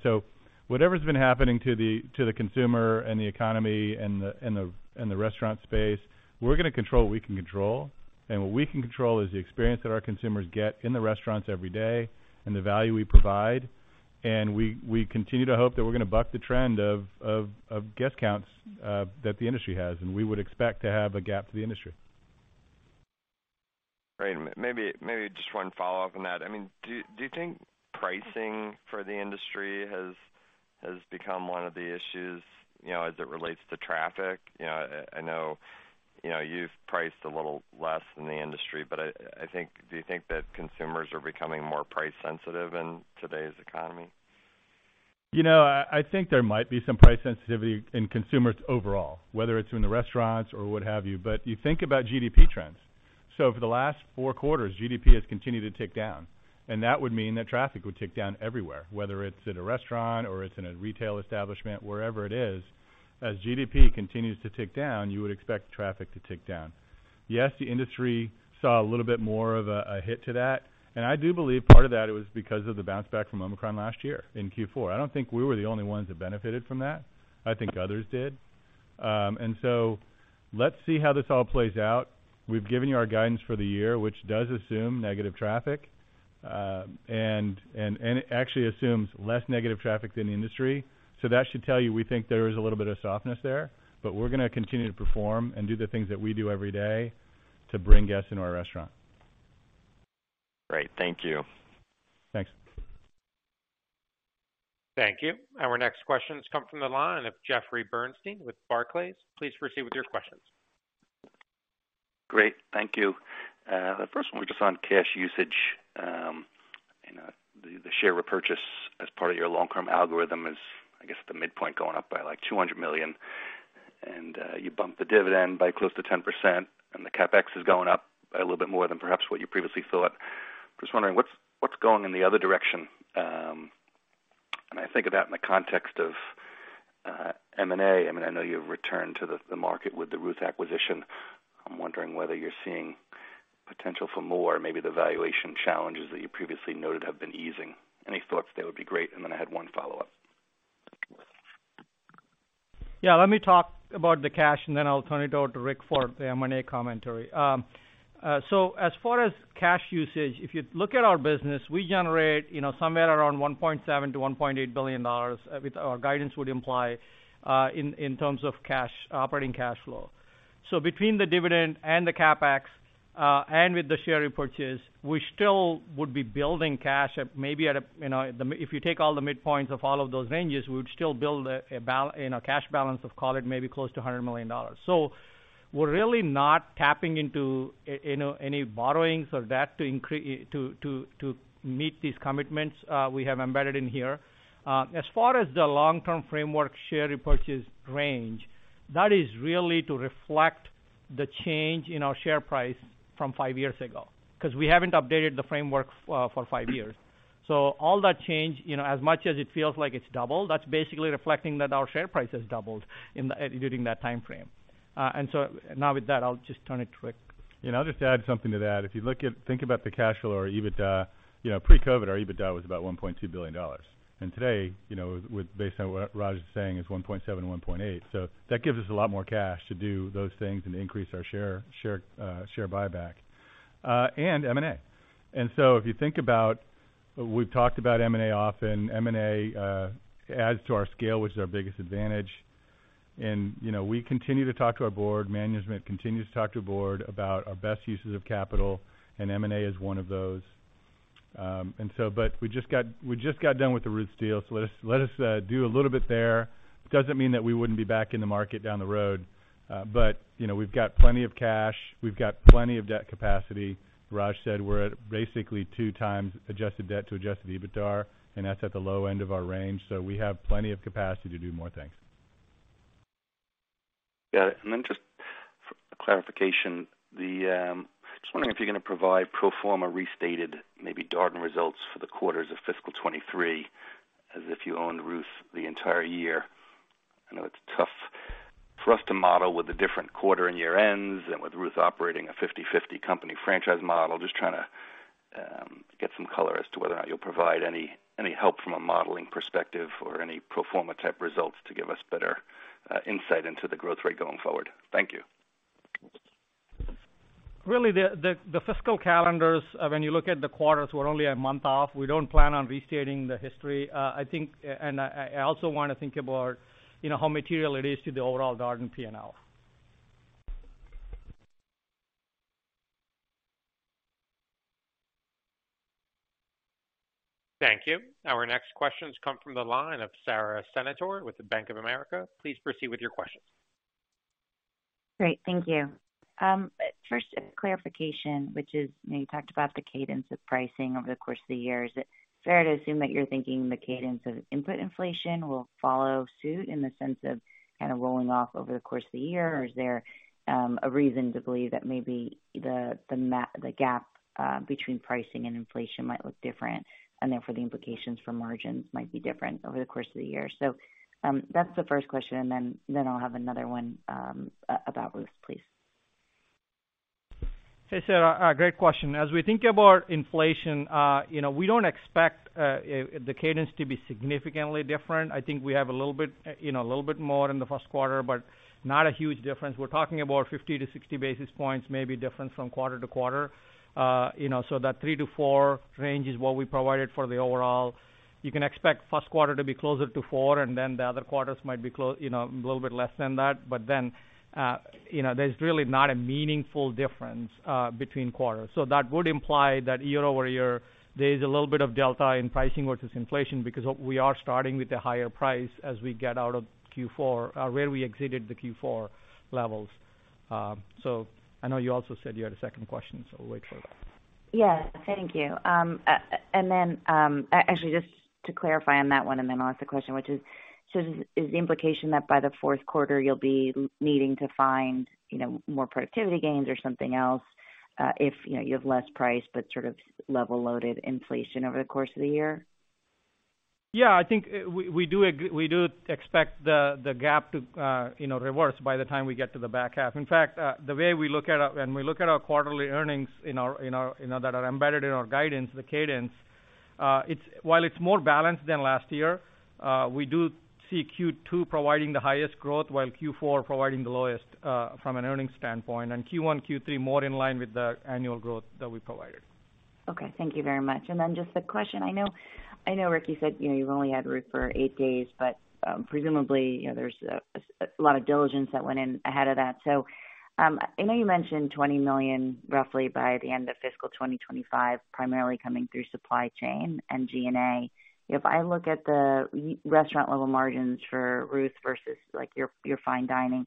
Whatever's been happening to the consumer and the economy and the restaurant space, we're going to control what we can control. What we can control is the experience that our consumers get in the restaurants every day and the value we provide. We continue to hope that we're going to buck the trend of guest counts that the industry has, and we would expect to have a gap to the industry. Great. Maybe just 1 follow-up on that. I mean, do you think pricing for the industry has become 1 of the issues, you know, as it relates to traffic? You know, I know, you know, you've priced a little less than the industry, but do you think that consumers are becoming more price sensitive in today's economy? You know, I think there might be some price sensitivity in consumers overall, whether it's in the restaurants or what have you. You think about GDP trends. For the last four quarters, GDP has continued to tick down, and that would mean that traffic would tick down everywhere, whether it's at a restaurant or it's in a retail establishment, wherever it is. As GDP continues to tick down, you would expect traffic to tick down. Yes, the industry saw a little bit more of a hit to that, and I do believe part of that it was because of the bounce back from Omicron last year in Q4. I don't think we were the only ones that benefited from that. I think others did. Let's see how this all plays out. We've given you our guidance for the year, which does assume negative traffic, and it actually assumes less negative traffic than the industry. That should tell you, we think there is a little bit of softness there. We're going to continue to perform and do the things that we do every day to bring guests into our restaurant. Great. Thank you. Thanks. Thank you. Our next question comes from the line of Jeffrey Bernstein with Barclays. Please proceed with your questions. Great. Thank you. The first one, just on cash usage. You know, the share repurchase as part of your long-term algorithm is, I guess, the midpoint going up by, like, $200 million, you bumped the dividend by close to 10%, and the CapEx is going up by a little bit more than perhaps what you previously thought. Just wondering, what's going in the other direction? I think of that in the context of M&A. I mean, I know you've returned to the market with the Ruth's acquisition. I'm wondering whether you're seeing potential for more, maybe the valuation challenges that you previously noted have been easing. Any thoughts there would be great. I had one follow-up. Yeah, let me talk about the cash, then I'll turn it over to Rick for the M&A commentary. As far as cash usage, if you look at our business, we generate, you know, somewhere around $1.7 billion-$1.8 billion, with our guidance would imply in terms of operating cash flow. Between the dividend and the CapEx, with the share repurchase, we still would be building cash at maybe at a, you know, if you take all the midpoints of all of those ranges, we would still build a cash balance of call it maybe close to $100 million. We're really not tapping into any borrowings or debt to meet these commitments we have embedded in here. As far as the long-term framework share repurchase range, that is really to reflect the change in our share price from five years ago, because we haven't updated the framework for five years. All that change, you know, as much as it feels like it's doubled, that's basically reflecting that our share price has doubled during that time frame. Now with that, I'll just turn it to Rick. I'll just add something to that. If you think about the cash flow or EBITDA, you know, pre-COVID, our EBITDA was about $1.2 billion. Today, you know, with, based on what Raj is saying, is $1.7 billion-$1.8 billion. That gives us a lot more cash to do those things and increase our share buyback and M&A. If you think about. We've talked about M&A often. M&A adds to our scale, which is our biggest advantage. You know, we continue to talk to our board, management continues to talk to our board about our best uses of capital, and M&A is one of those. We just got done with the Ruth's deal, so let us do a little bit there. It doesn't mean that we wouldn't be back in the market down the road. You know, we've got plenty of cash. We've got plenty of debt capacity. Raj said we're at basically 2 times adjusted debt to adjusted EBITDA. That's at the low end of our range. We have plenty of capacity to do more things. Got it. Then just for clarification. Just wondering if you're going to provide pro forma restated, maybe Darden results for the quarters of fiscal 23, as if you own Ruth's the entire year. I know it's tough for us to model with the different quarter and year ends and with Ruth operating a 50/50 company franchise model. Trying to get some color as to whether or not you'll provide any help from a modeling perspective or any pro forma type results to give us better insight into the growth rate going forward. Thank you. Really, the fiscal calendars, when you look at the quarters, we're only a month off. We don't plan on restating the history. I think, and I also want to think about, you know, how material it is to the overall Darden P&L. Thank you. Our next questions come from the line of Sara Senatore with the Bank of America. Please proceed with your questions. Great. Thank you. First, a clarification, which is, you know, you talked about the cadence of pricing over the course of the year. Is it fair to assume that you're thinking the cadence of input inflation will follow suit in the sense of kind of rolling off over the course of the year? Or is there a reason to believe that maybe the gap between pricing and inflation might look different, and therefore, the implications for margins might be different over the course of the year? That's the first question, and then I'll have another one about Ruth's, please. Hey, Sara, great question. As we think about inflation, you know, we don't expect the cadence to be significantly different. I think we have a little bit, you know, a little bit more in the first quarter, but not a huge difference. We're talking about 50-60 basis points, maybe different from quarter to quarter. You know, that 3-4 range is what we provided for the overall. You can expect first quarter to be closer to 4, the other quarters might be, you know, a little bit less than that. You know, there's really not a meaningful difference between quarters. That would imply that year-over-year, there is a little bit of delta in pricing versus inflation, because we are starting with a higher price as we get out of Q4, where we exited the Q4 levels. I know you also said you had a second question, so we'll wait for that. Yeah. Thank you. Then, actually, just to clarify on that one, I'll ask the question, which is: is the implication that by the fourth quarter, you'll be needing to find, you know, more productivity gains or something else, if, you know, you have less price but sort of level-loaded inflation over the course of the year? I think, we do expect the GAAP to, you know, reverse by the time we get to the back half. In fact, the way we look at our. When we look at our quarterly earnings in our that are embedded in our guidance, the cadence, it's while it's more balanced than last year, we do see Q2 providing the highest growth, while Q4 providing the lowest from an earnings standpoint, and Q1, Q3, more in line with the annual growth that we provided. Okay. Thank you very much. Then just a question. I know, I know, Rick, you said, you know, you've only had Ruth for eight days, but, presumably, you know, there's a lot of diligence that went in ahead of that. I know you mentioned $20 million, roughly, by the end of fiscal 2025, primarily coming through supply chain and G&A. If I look at the y-restaurant level margins for Ruth's versus, like, your fine dining,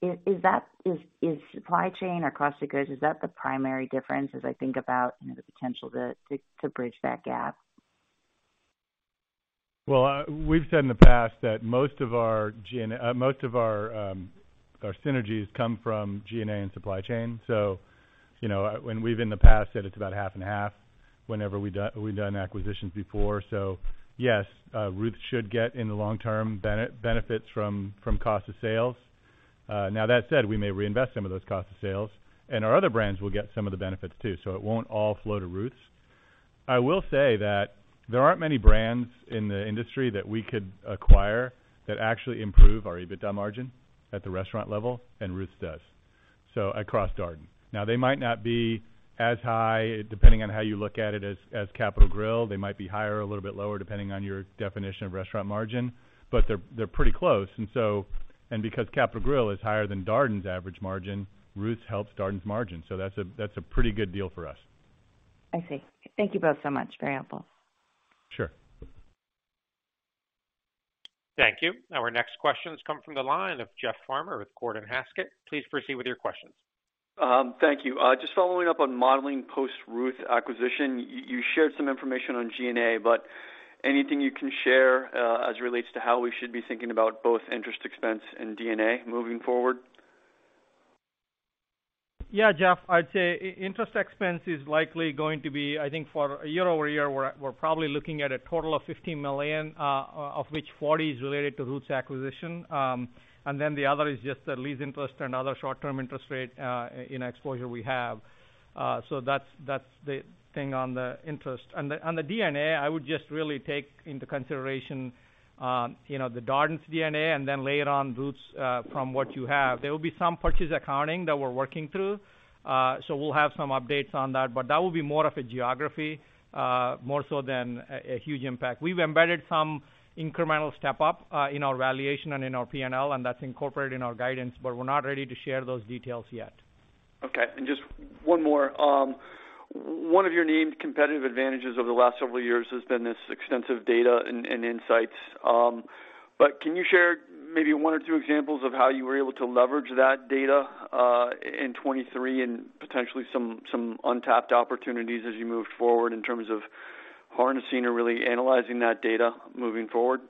is that, is supply chain or cost of goods, is that the primary difference as I think about, you know, the potential to bridge that gap? Well, we've said in the past that most of our G&A, most of our synergies come from G&A and supply chain. You know, when we've in the past said it's about half and half whenever we've done acquisitions before. Yes, Ruth's should get in the long term benefits from cost of sales. Now, that said, we may reinvest some of those cost of sales, and our other brands will get some of the benefits too, so it won't all flow to Ruth's. I will say that there aren't many brands in the industry that we could acquire that actually improve our EBITDA margin at the restaurant level, and Ruth's does, so across Darden. Now, they might not be as high, depending on how you look at it, as Capital Grille. They might be higher or a little bit lower, depending on your definition of restaurant margin, but they're pretty close. Because The Capital Grille is higher than Darden's average margin, Ruth's helps Darden's margin. That's a pretty good deal for us. I see. Thank you both so much for your input. Sure. Thank you. Our next question has come from the line of Jeff Farmer with Gordon Haskett. Please proceed with your questions. Thank you. Just following up on modeling post-Ruth's acquisition, you shared some information on G&A, but anything you can share, as it relates to how we should be thinking about both interest expense and G&A moving forward? Yeah, Jeff, I'd say interest expense is likely going to be, I think, for year-over-year, we're probably looking at a total of $15 million, of which 40 is related to Ruth's acquisition. The other is just the lease interest and other short-term interest rate in exposure we have. That's the thing on the interest. On the G&A, I would just really take into consideration, you know, Darden's G&A layer on Ruth's from what you have. There will be some purchase accounting that we're working through, we'll have some updates on that will be more of a geography, more so than a huge impact. We've embedded some incremental step up in our valuation and in our P&L, and that's incorporated in our guidance, but we're not ready to share those details yet. Okay, just one more. One of your named competitive advantages over the last several years has been this extensive data and insights. Can you share maybe one or two examples of how you were able to leverage that data in 2023, and potentially some untapped opportunities as you move forward in terms of harnessing or really analyzing that data moving forward?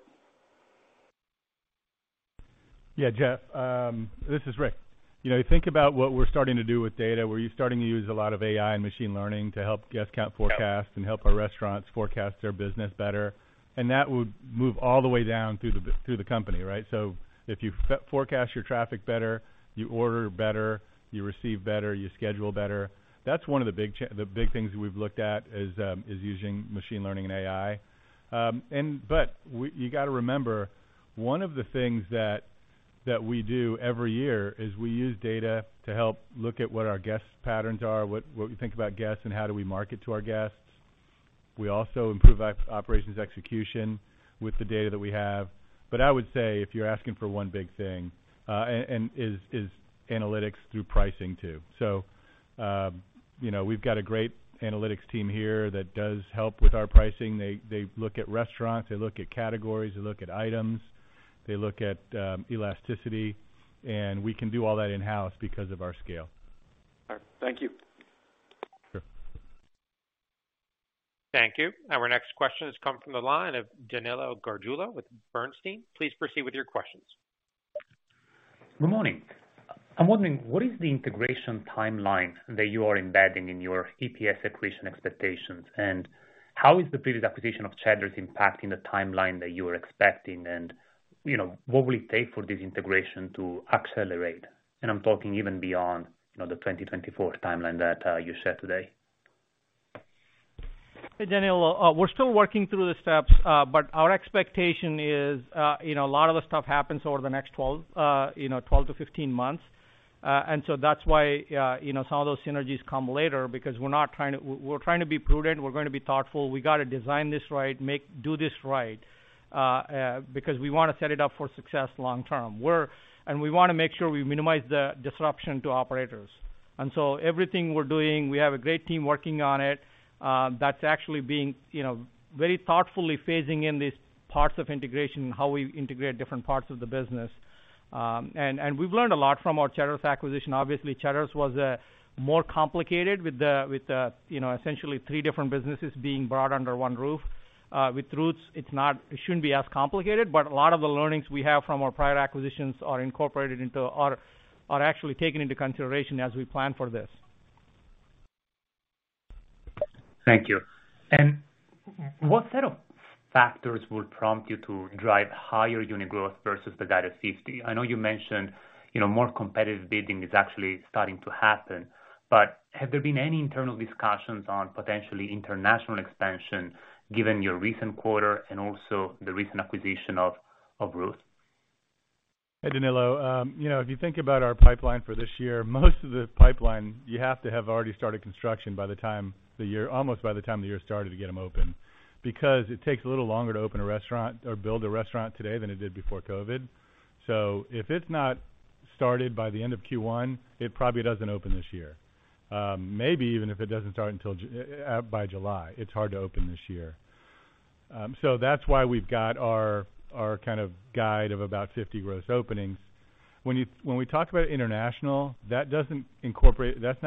Yeah, Jeff, this is Rick. You know, you think about what we're starting to do with data. We're starting to use a lot of AI and machine learning to help guest count forecasts- Yeah. Help our restaurants forecast their business better, and that would move all the way down through the company, right? If you forecast your traffic better, you order better, you receive better, you schedule better. That's one of the big things we've looked at, is using machine learning and AI. You got to remember, one of the things that we do every year is we use data to help look at what our guest patterns are, what we think about guests, and how do we market to our guests. We also improve operations execution with the data that we have. I would say, if you're asking for one big thing, and is analytics through pricing, too. You know, we've got a great analytics team here that does help with our pricing. They look at restaurants, they look at categories, they look at items, they look at elasticity. We can do all that in-house because of our scale. All right. Thank you. Sure. Thank you. Our next question has come from the line of Danilo Gargiulo with Bernstein. Please proceed with your questions. Good morning. I'm wondering, what is the integration timeline that you are embedding in your EPS accretion expectations? How is the previous acquisition of Cheddar's impacting the timeline that you were expecting? You know, what will it take for this integration to accelerate? I'm talking even beyond, you know, the 2024 timeline that you set today. Hey, Danilo, we're still working through the steps, our expectation is, you know, a lot of the stuff happens over the next 12, you know, 12 to 15 months. That's why, you know, some of those synergies come later, because we're trying to be prudent, we're going to be thoughtful. We got to design this right, do this right, because we want to set it up for success long term. We want to make sure we minimize the disruption to operators. Everything we're doing, we have a great team working on it, that's actually being, you know, very thoughtfully phasing in these parts of integration and how we integrate different parts of the business. We've learned a lot from our Cheddar's acquisition. Obviously, Cheddar's was more complicated with the, you know, essentially three different businesses being brought under one roof. With Ruth's, it's not, it shouldn't be as complicated, but a lot of the learnings we have from our prior acquisitions are actually taken into consideration as we plan for this. Thank you. What set of factors would prompt you to drive higher unit growth versus the guide of 50? I know you mentioned, you know, more competitive bidding is actually starting to happen, but have there been any internal discussions on potentially international expansion, given your recent quarter and also the recent acquisition of Ruth's? Hey, Danilo, you know, if you think about our pipeline for this year, most of the pipeline, you have to have already started construction by the time the year, almost by the time the year started to get them open. It takes a little longer to open a restaurant or build a restaurant today than it did before COVID. If it's not started by the end of Q1, it probably doesn't open this year. Maybe even if it doesn't start by July, it's hard to open this year. That's why we've got our kind of guide of about 50 gross openings. When we talk about international, that's not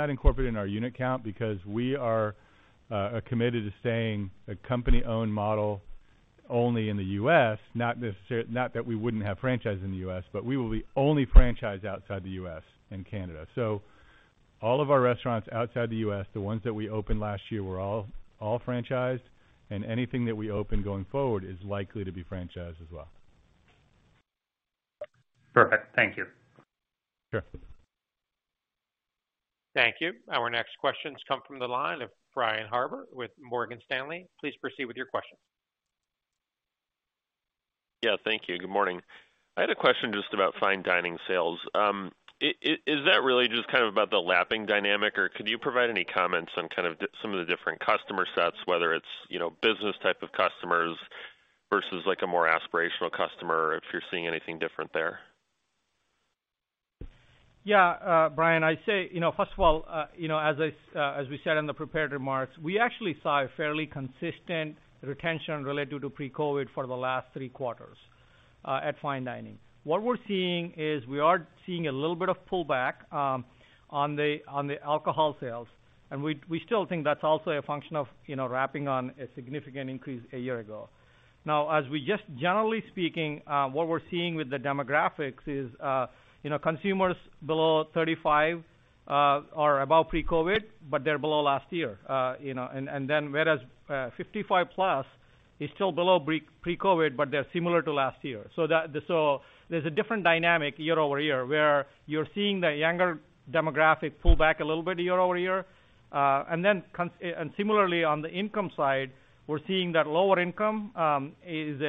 incorporated in our unit count because we are committed to staying a company-owned model only in the U.S., not necessarily, not that we wouldn't have franchises in the U.S., but we will be only franchised outside the U.S. and Canada. All of our restaurants outside the U.S., the ones that we opened last year, were all franchised, and anything that we open going forward is likely to be franchised as well. Perfect. Thank you. Sure. Thank you. Our next question comes from the line of Brian Harbour with Morgan Stanley. Please proceed with your question. Yeah, thank you. Good morning. I had a question just about fine dining sales. Is that really just kind of about the lapping dynamic, or could you provide any comments on kind of some of the different customer sets, whether it's, you know, business type of customers versus like a more aspirational customer, if you're seeing anything different there? Yeah, Brian, I'd say, you know, first of all, you know, as we said in the prepared remarks, we actually saw a fairly consistent retention related to pre-COVID for the last three quarters at fine dining. What we're seeing is we are seeing a little bit of pullback on the alcohol sales, and we still think that's also a function of, you know, wrapping on a significant increase a year ago. Now, as we just, generally speaking, what we're seeing with the demographics is, you know, consumers below 35 are above pre-COVID, but they're below last year, you know, and then whereas 55 plus is still below pre-COVID, but they're similar to last year. There's a different dynamic year-over-year, where you're seeing the younger demographic pull back a little bit year-over-year. And similarly, on the income side, we're seeing that lower income is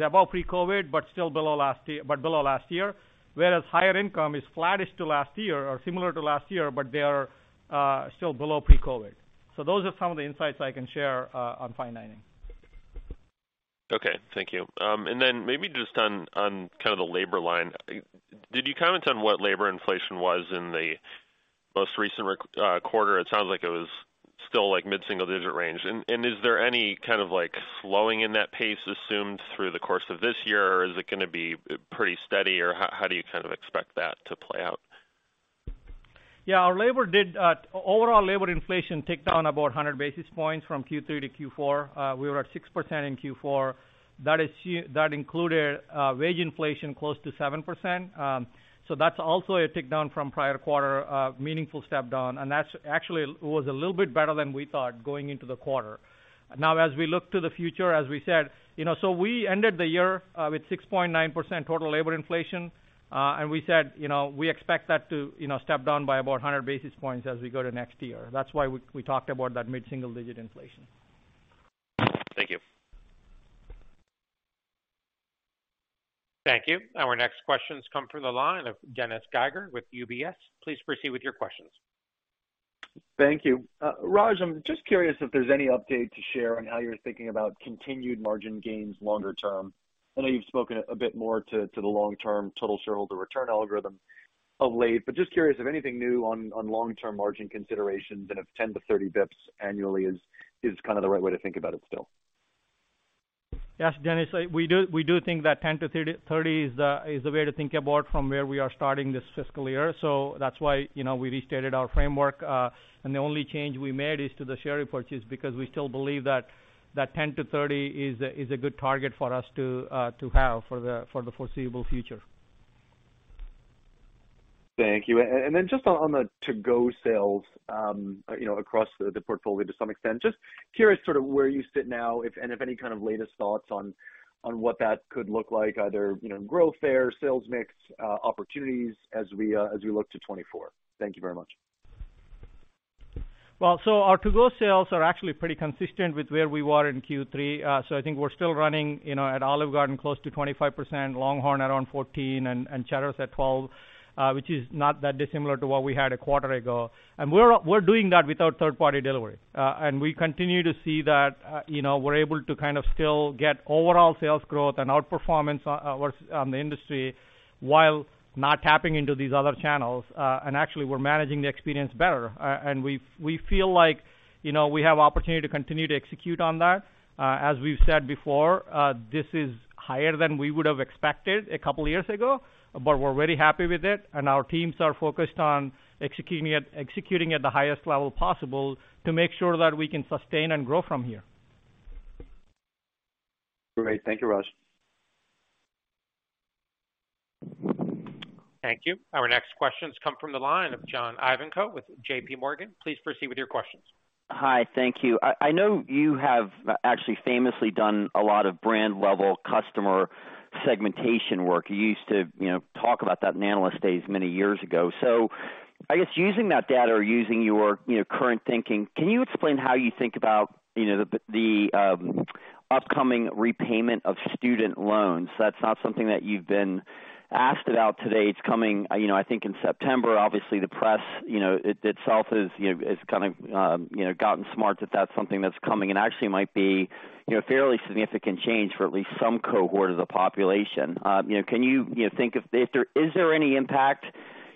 above pre-COVID, but still below last year. Whereas higher income is flattish to last year or similar to last year, but they are still below pre-COVID. Those are some of the insights I can share on fine dining. Okay, thank you. Maybe just on kind of the labor line. Did you comment on what labor inflation was in the most recent quarter? It sounds like it was still, like, mid-single-digit range. Is there any kind of, like, slowing in that pace assumed through the course of this year, or is it gonna be pretty steady, or how do you kind of expect that to play out? Yeah, our labor did overall, labor inflation ticked down about 100 basis points from Q3 to Q4. We were at 6% in Q4. That included wage inflation close to 7%. That's also a tick down from prior quarter, a meaningful step down, and that's actually was a little bit better than we thought going into the quarter. Now, as we look to the future, as we said, you know, we ended the year with 6.9% total labor inflation. We said, you know, we expect that to, you know, step down by about 100 basis points as we go to next year. That's why we talked about that mid-single digit inflation. Thank you. Thank you. Our next question comes from the line of Dennis Geiger with UBS. Please proceed with your questions. Thank you. Raj, I'm just curious if there's any update to share on how you're thinking about continued margin gains longer term. I know you've spoken a bit more to the long-term total shareholder return algorithm of late, but just curious if anything new on long-term margin considerations and if 10-30 bps annually is kind of the right way to think about it still? Yes, Dennis, we do think that 10 to 30 is the way to think about from where we are starting this fiscal year. That's why, you know, we restated our framework. The only change we made is to the share repurchase, because we still believe that 10 to 30 is a good target for us to have for the foreseeable future. Thank you. Just on the to-go sales, you know, across the portfolio to some extent, just curious sort of where you sit now, if, and if any kind of latest thoughts on what that could look like, either, you know, growth there, sales mix, opportunities as we look to 2024. Thank you very much. Our to-go sales are actually pretty consistent with where we were in Q3. I think we're still running, you know, at Olive Garden, close to 25%, LongHorn around 14, and Cheddar's at 12, which is not that dissimilar to what we had a quarter ago. We're doing that without third-party delivery. We continue to see that, you know, we're able to kind of still get overall sales growth and outperformance ours on the industry while not tapping into these other channels. Actually, we're managing the experience better. We feel like, you know, we have opportunity to continue to execute on that. As we've said before, this is higher than we would have expected a couple of years ago, but we're very happy with it, and our teams are focused on executing at the highest level possible to make sure that we can sustain and grow from here. Great. Thank you, Raj. Thank you. Our next question comes from the line of John Ivankoe with JP Morgan. Please proceed with your questions. Hi, thank you. I know you have actually famously done a lot of brand-level customer segmentation work. You used to, you know, talk about that in analyst days, many years ago. I guess using that data or using your, you know, current thinking, can you explain how you think about, you know, the upcoming repayment of student loans? That's not something that you've been asked about today. It's coming, you know, I think in September. The press, you know, itself is, you know, is kind of, you know, gotten smart that that's something that's coming and actually might be, you know, a fairly significant change for at least some cohort of the population. You know, can you know, think is there any impact,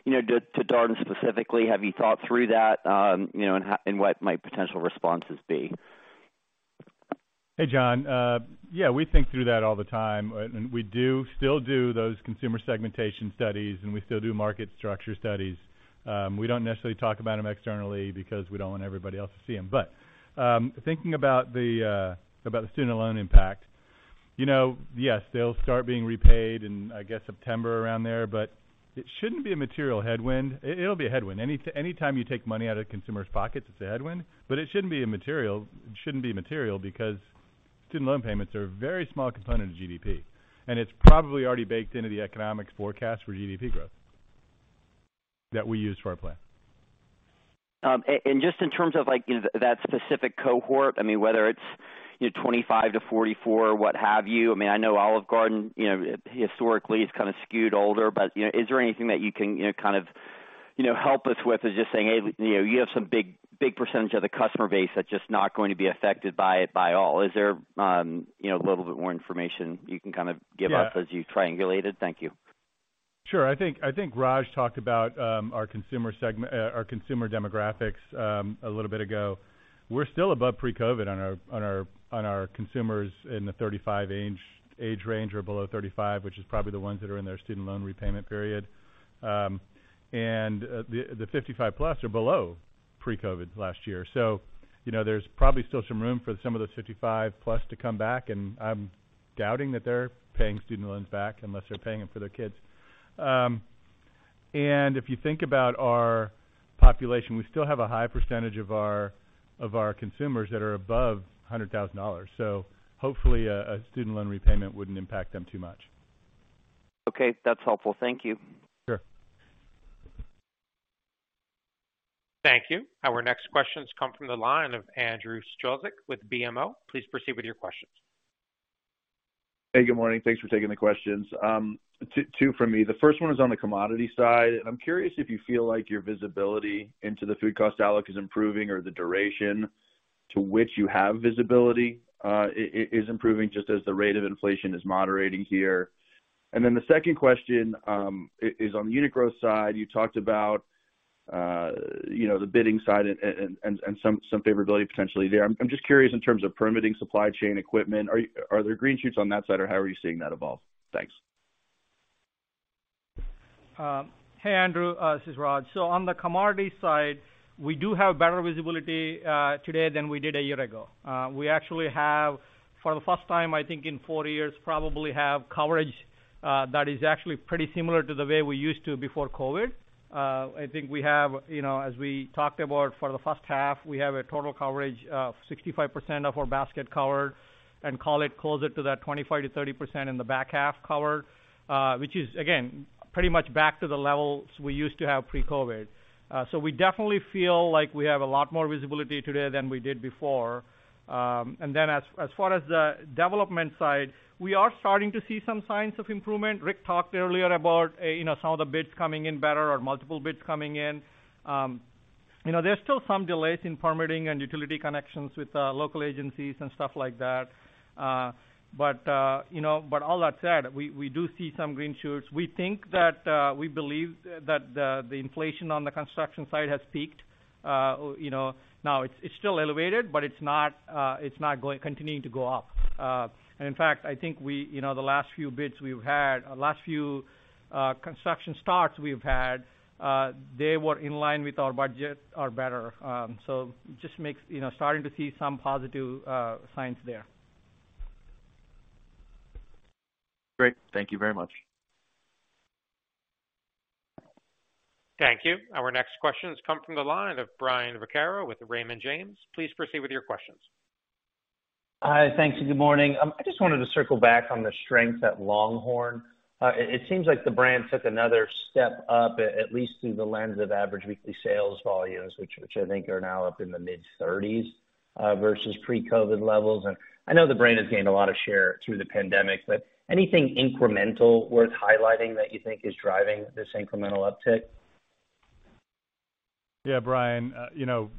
you know, to Darden specifically? Have you thought through that, you know, and what might potential responses be? Hey, John. Yeah, we think through that all the time, and we do still do those consumer segmentation studies, and we still do market structure studies. We don't necessarily talk about them externally because we don't want everybody else to see them. Thinking about the, about the student loan impact, you know, yes, they'll start being repaid in, I guess, September around there, but it shouldn't be a material headwind. It'll be a headwind. Anytime you take money out of consumers' pockets, it's a headwind, but it shouldn't be material because student loan payments are a very small component of GDP, and it's probably already baked into the economics forecast for GDP growth that we use for our plan. Just in terms of, like, you know, that specific cohort, I mean, whether it's, you know, 25 to 44, or what have you, I mean, I know Olive Garden, you know, historically, is kind of skewed older, but, you know, is there anything that you can, you know, kind of, you know, help us with is just saying, "Hey, you know, you have some big percentage of the customer base that's just not going to be affected by it by all." Is there, you know, a little bit more information you can kind of give us? Yeah. as you triangulate it? Thank you. Sure. I think Raj talked about our consumer segment, our consumer demographics a little bit ago. We're still above pre-COVID on our consumers in the 35 age range or below 35, which is probably the ones that are in their student loan repayment period. The 55 plus are below pre-COVID last year. You know, there's probably still some room for some of those 55 plus to come back, and I'm doubting that they're paying student loans back unless they're paying them for their kids. If you think about our population, we still have a high percentage of our consumers that are above $100,000, hopefully student loan repayment wouldn't impact them too much. Okay, that's helpful. Thank you. Sure. Thank you. Our next questions come from the line of Andrew Strelzik with BMO. Please proceed with your questions. Hey, good morning. Thanks for taking the questions. Two for me. The first one is on the commodity side, and I'm curious if you feel like your visibility into the food cost outlook is improving or the duration to which you have visibility is improving just as the rate of inflation is moderating here. The second question is on the unit growth side. You talked about, you know, the bidding side and some favorability potentially there. I'm just curious, in terms of permitting supply chain equipment, are there green shoots on that side, or how are you seeing that evolve? Thanks. Hey, Andrew, this is Raj. On the commodity side, we do have better visibility today than we did a year ago. We actually have, for the first time, I think, in 4 years, probably have coverage that is actually pretty similar to the way we used to before COVID. I think we have, you know, as we talked about for the first half, we have a total coverage of 65% of our basket covered and call it, closer to that 25%-30% in the back half covered, which is, again, pretty much back to the levels we used to have pre-COVID. We definitely feel like we have a lot more visibility today than we did before. As far as the development side, we are starting to see some signs of improvement. Rick talked earlier about, you know, some of the bids coming in better or multiple bids coming in. You know, there's still some delays in permitting and utility connections with local agencies and stuff like that. You know, but all that said, we do see some green shoots. We think that, we believe that the inflation on the construction side has peaked. you know, now it's still elevated, but it's not, it's not continuing to go up. In fact, I think we, you know, the last few bids we've had, last few, construction starts we've had, they were in line with our budget or better. Just makes, you know, starting to see some positive, signs there. Great. Thank you very much. Thank you. Our next question has come from the line of Brian Vaccaro with Raymond James. Please proceed with your questions. Hi, thanks, and good morning. I just wanted to circle back on the strength at LongHorn. It seems like the brand took another step up, at least through the lens of average weekly sales volumes, which I think are now up in the mid-30s versus pre-COVID levels. I know the brand has gained a lot of share through the pandemic. Anything incremental worth highlighting that you think is driving this incremental uptick? Yeah, Brian, you know,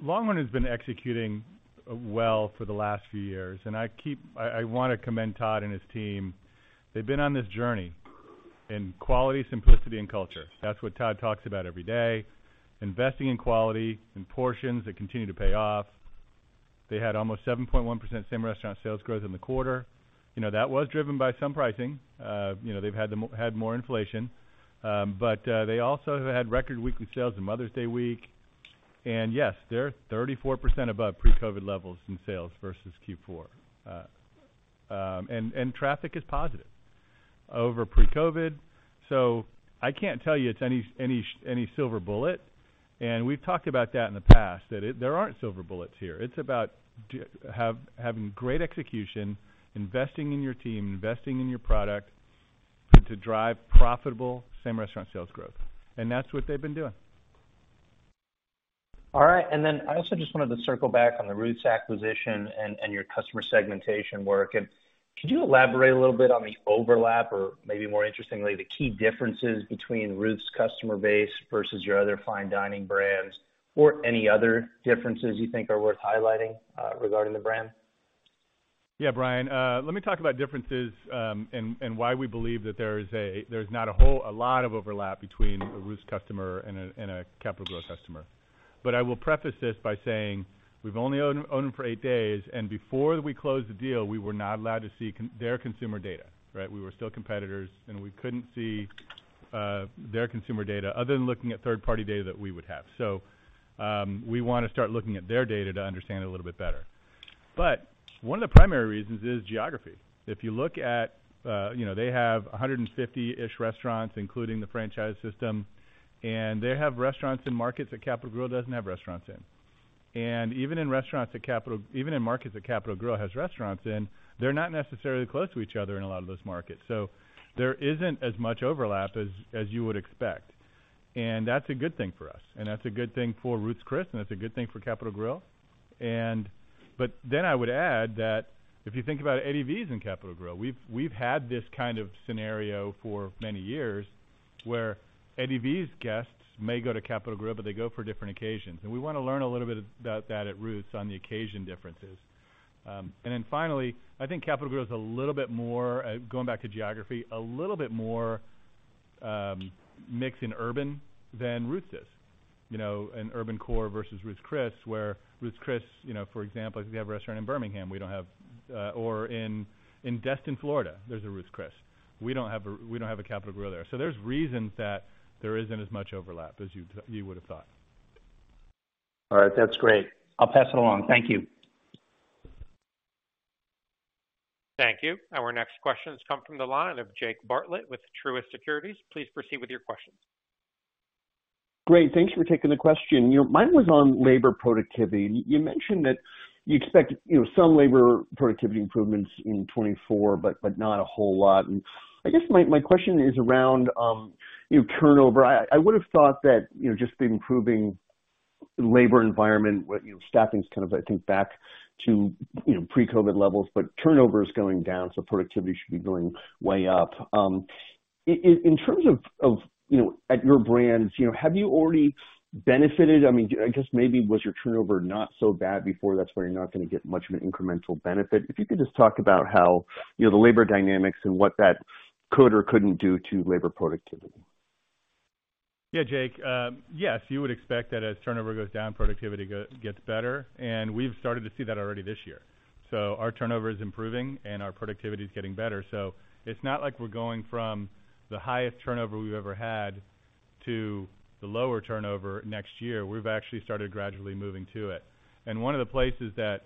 LongHorn has been executing well for the last few years. I wanna commend Todd and his team. They've been on this journey in quality, simplicity, and culture. That's what Todd talks about every day: investing in quality and portions that continue to pay off. They had almost 7.1% same-restaurant sales growth in the quarter. You know, that was driven by some pricing. You know, they've had more inflation, they also have had record weekly sales on Mother's Day week. Yes, they're 34% above pre-COVID levels in sales versus Q4. Traffic is positive over pre-COVID. I can't tell you it's any silver bullet. We've talked about that in the past, that there aren't silver bullets here. It's about having great execution, investing in your team, investing in your product to drive profitable same-restaurant sales growth, and that's what they've been doing. All right. Then I also just wanted to circle back on the Ruth's acquisition and your customer segmentation work. Could you elaborate a little bit on the overlap, or maybe more interestingly, the key differences between Ruth's customer base versus your other fine dining brands, or any other differences you think are worth highlighting regarding the brand? Yeah, Brian, let me talk about differences, and why we believe that there's not a whole, a lot of overlap between a Ruth's customer and a Capital Grille customer. I will preface this by saying, we've only owned them for eight days, and before we closed the deal, we were not allowed to see their consumer data, right? We were still competitors, and we couldn't see their consumer data other than looking at third-party data that we would have. We wanna start looking at their data to understand it a little bit better. One of the primary reasons is geography. If you look at, you know, they have 150-ish restaurants, including the franchise system, and they have restaurants in markets that Capital Grille doesn't have restaurants in. Even in markets that Capital Grille has restaurants in, they're not necessarily close to each other in a lot of those markets. There isn't as much overlap as you would expect, and that's a good thing for us, and that's a good thing for Ruth's Chris, and that's a good thing for Capital Grille. I would add that if you think about Eddie V's in Capital Grille, we've had this kind of scenario for many years, where Eddie V's guests may go to Capital Grille, but they go for different occasions. We wanna learn a little bit about that at Ruth's on the occasion differences. Finally, I think Capital Grille is a little bit more, going back to geography, a little bit more, mixed in urban than Ruth's is. You know, in urban core versus Ruth's Chris, where Ruth's Chris, you know, for example, if we have a restaurant in Birmingham. Or in Destin, Florida, there's a Ruth's Chris. We don't have a Capital Grille there. There's reasons that there isn't as much overlap as you would have thought. All right. That's great. I'll pass it along. Thank you. Thank you. Our next question has come from the line of Jake Bartlett with Truist Securities. Please proceed with your questions. Great. Thanks for taking the question. You know, mine was on labor productivity. You mentioned that you expect, you know, some labor productivity improvements in 2024, but not a whole lot. I guess my question is around, you know, turnover. I would have thought that, you know, just the improving labor environment, what, you know, staffing is kind of, I think, back to, you know, pre-COVID levels, but turnover is going down, so productivity should be going way up. In terms of, you know, at your brands, you know, have you already benefited? I mean, I guess maybe was your turnover not so bad before, that's why you're not gonna get much of an incremental benefit. If you could just talk about how, you know, the labor dynamics and what that could or couldn't do to labor productivity. Jake. Yes, you would expect that as turnover goes down, productivity gets better, and we've started to see that already this year. Our turnover is improving, and our productivity is getting better. It's not like we're going from the highest turnover we've ever had to the lower turnover next year. We've actually started gradually moving to it. One of the places that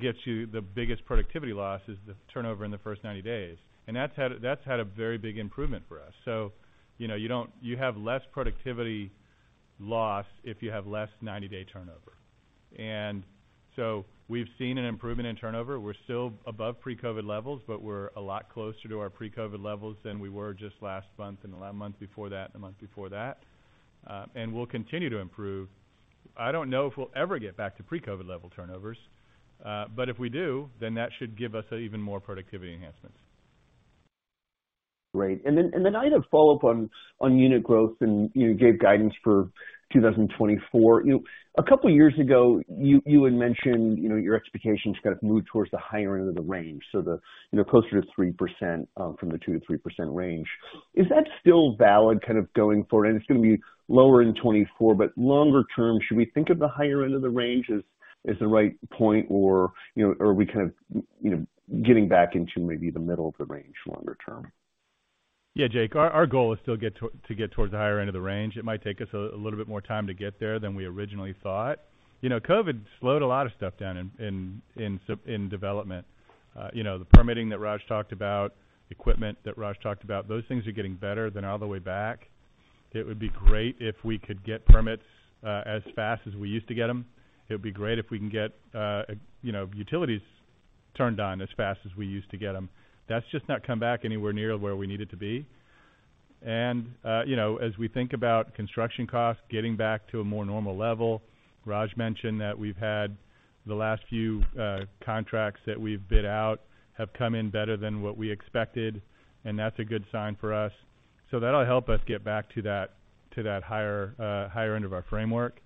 gets you the biggest productivity loss is the turnover in the first 90 days, and that's had a very big improvement for us. You know, you have less productivity loss if you have less 90-day turnover. We've seen an improvement in turnover. We're still above pre-COVID levels, but we're a lot closer to our pre-COVID levels than we were just last month and the month before that and the month before that. We'll continue to improve. I don't know if we'll ever get back to pre-COVID level turnovers, but if we do, then that should give us even more productivity enhancements. Great. Then I had a follow-up on unit growth, and, you know, gave guidance for 2024. A couple years ago, you had mentioned, you know, your expectations kind of moved towards the higher end of the range, so the, you know, closer to 3%, from the 2%-3% range. Is that still valid kind of going forward? It's gonna be lower in 2024, but longer term, should we think of the higher end of the range as the right point or, you know, are we kind of, you know, getting back into maybe the middle of the range longer term? Yeah, Jake, our goal is still to get towards the higher end of the range. It might take us a little bit more time to get there than we originally thought. You know, COVID slowed a lot of stuff down in development. You know, the permitting that Raj talked about, equipment that Raj talked about, those things are getting better than all the way back. It would be great if we could get permits as fast as we used to get them. It would be great if we can get, you know, utilities turned on as fast as we used to get them. That's just not come back anywhere near where we need it to be. You know, as we think about construction costs getting back to a more normal level, Raj mentioned that we've had the last few contracts that we've bid out, have come in better than what we expected, and that's a good sign for us. That'll help us get back to that higher end of our framework.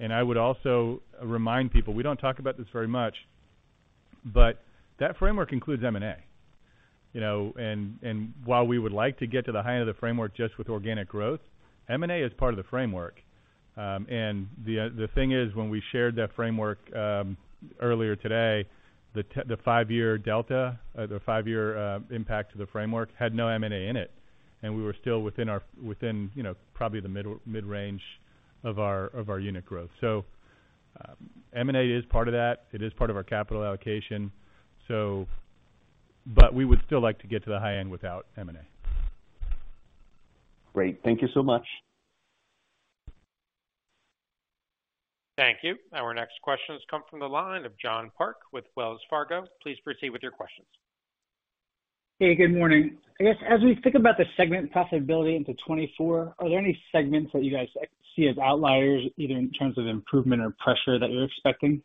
I would also remind people, we don't talk about this very much, but that framework includes M&A. You know, while we would like to get to the high end of the framework just with organic growth, M&A is part of the framework. The thing is, when we shared that framework, earlier today, the 5-year delta, the 5-year impact to the framework had no M&A in it, and we were still within our, within, you know, probably the mid-range of our, of our unit growth. M&A is part of that, it is part of our capital allocation, so. We would still like to get to the high end without M&A. Great. Thank you so much. Thank you. Our next question has come from the line of John Park with Wells Fargo. Please proceed with your questions Hey, good morning. I guess, as we think about the segment profitability into 2024, are there any segments that you guys see as outliers, either in terms of improvement or pressure that you're expecting?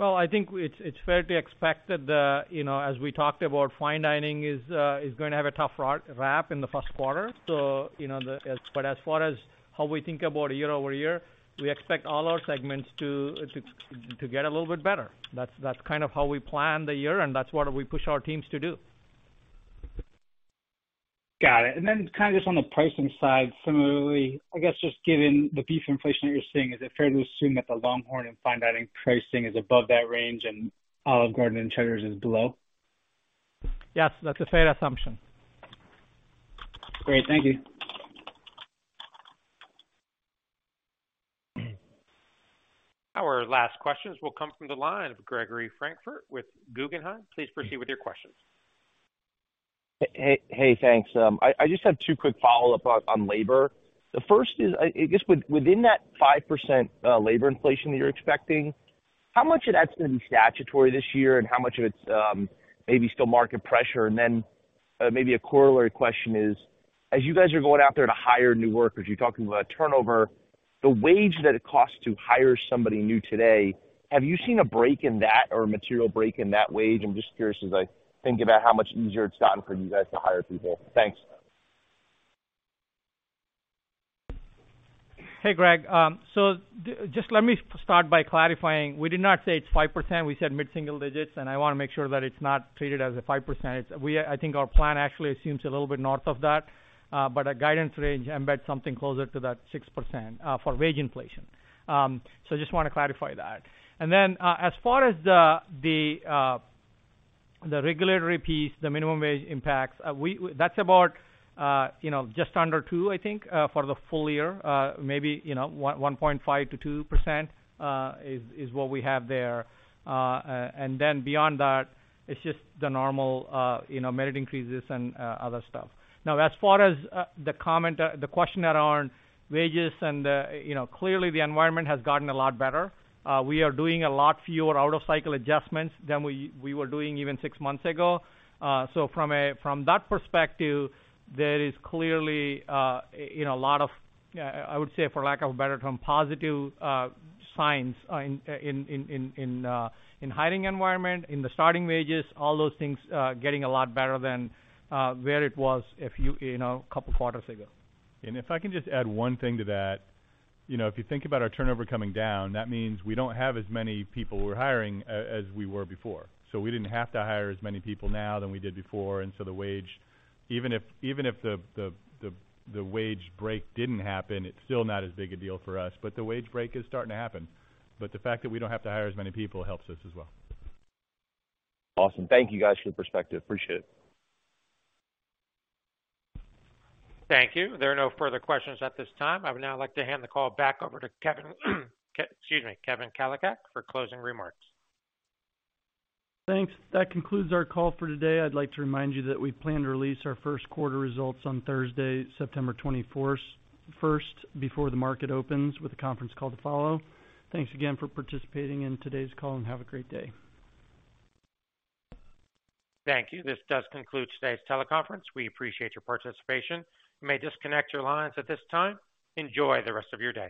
I think it's fair to expect that you know, as we talked about, fine dining is going to have a tough wrap in the 1st quarter. you know, as far as how we think about year-over-year, we expect all our segments to get a little bit better. That's kind of how we plan the year, and that's what we push our teams to do. Got it. Then kind of just on the pricing side, similarly, I guess, just given the beef inflation that you're seeing, is it fair to assume that the LongHorn and fine dining pricing is above that range and Olive Garden and Cheddar's is below? Yes, that's a fair assumption. Great. Thank you. Our last questions will come from the line of Gregory Francfort with Guggenheim. Please proceed with your questions. Hey, thanks. I just have two quick follow-up on labor. The first is, I guess, within that 5% labor inflation that you're expecting, how much of that's been statutory this year, and how much of it's maybe still market pressure? Then maybe a corollary question is: as you guys are going out there to hire new workers, you're talking about turnover, the wage that it costs to hire somebody new today, have you seen a break in that or a material break in that wage? I'm just curious as I think about how much easier it's gotten for you guys to hire people. Thanks. Hey, Gregory Francfort. just let me start by clarifying, we did not say it's 5%. We said mid-single digits, and I wanna make sure that it's not treated as a 5%. It's, I think our plan actually seems a little bit north of that, but our guidance range embeds something closer to that 6% for wage inflation. just wanna clarify that. Then, as far as the regulatory piece, the minimum wage impacts, that's about, you know, just under two, I think, for the full year. Maybe, you know, 1.5%-2% is what we have there. Then beyond that, it's just the normal, you know, merit increases and other stuff. As far as the comment, the question around wages and, you know, clearly the environment has gotten a lot better. We are doing a lot fewer out-of-cycle adjustments than we were doing even six months ago. From a, from that perspective, there is clearly, you know, a lot of, I would say, for lack of a better term, positive signs, in hiring environment, in the starting wages, all those things, getting a lot better than where it was a few, you know, couple quarters ago. If I can just add one thing to that. You know, if you think about our turnover coming down, that means we don't have as many people we're hiring as we were before. We didn't have to hire as many people now than we did before, and so the wage, even if the wage break didn't happen, it's still not as big a deal for us, but the wage break is starting to happen. The fact that we don't have to hire as many people helps us as well. Awesome. Thank you guys for your perspective. Appreciate it. Thank you. There are no further questions at this time. I would now like to hand the call back over to Kevin, excuse me, Kevin Kalicak, for closing remarks. Thanks. That concludes our call for today. I'd like to remind you that we plan to release our first quarter results on Thursday, September 21st, before the market opens, with a conference call to follow. Thanks again for participating in today's call, and have a great day. Thank you. This does conclude today's teleconference. We appreciate your participation. You may disconnect your lines at this time. Enjoy the rest of your day.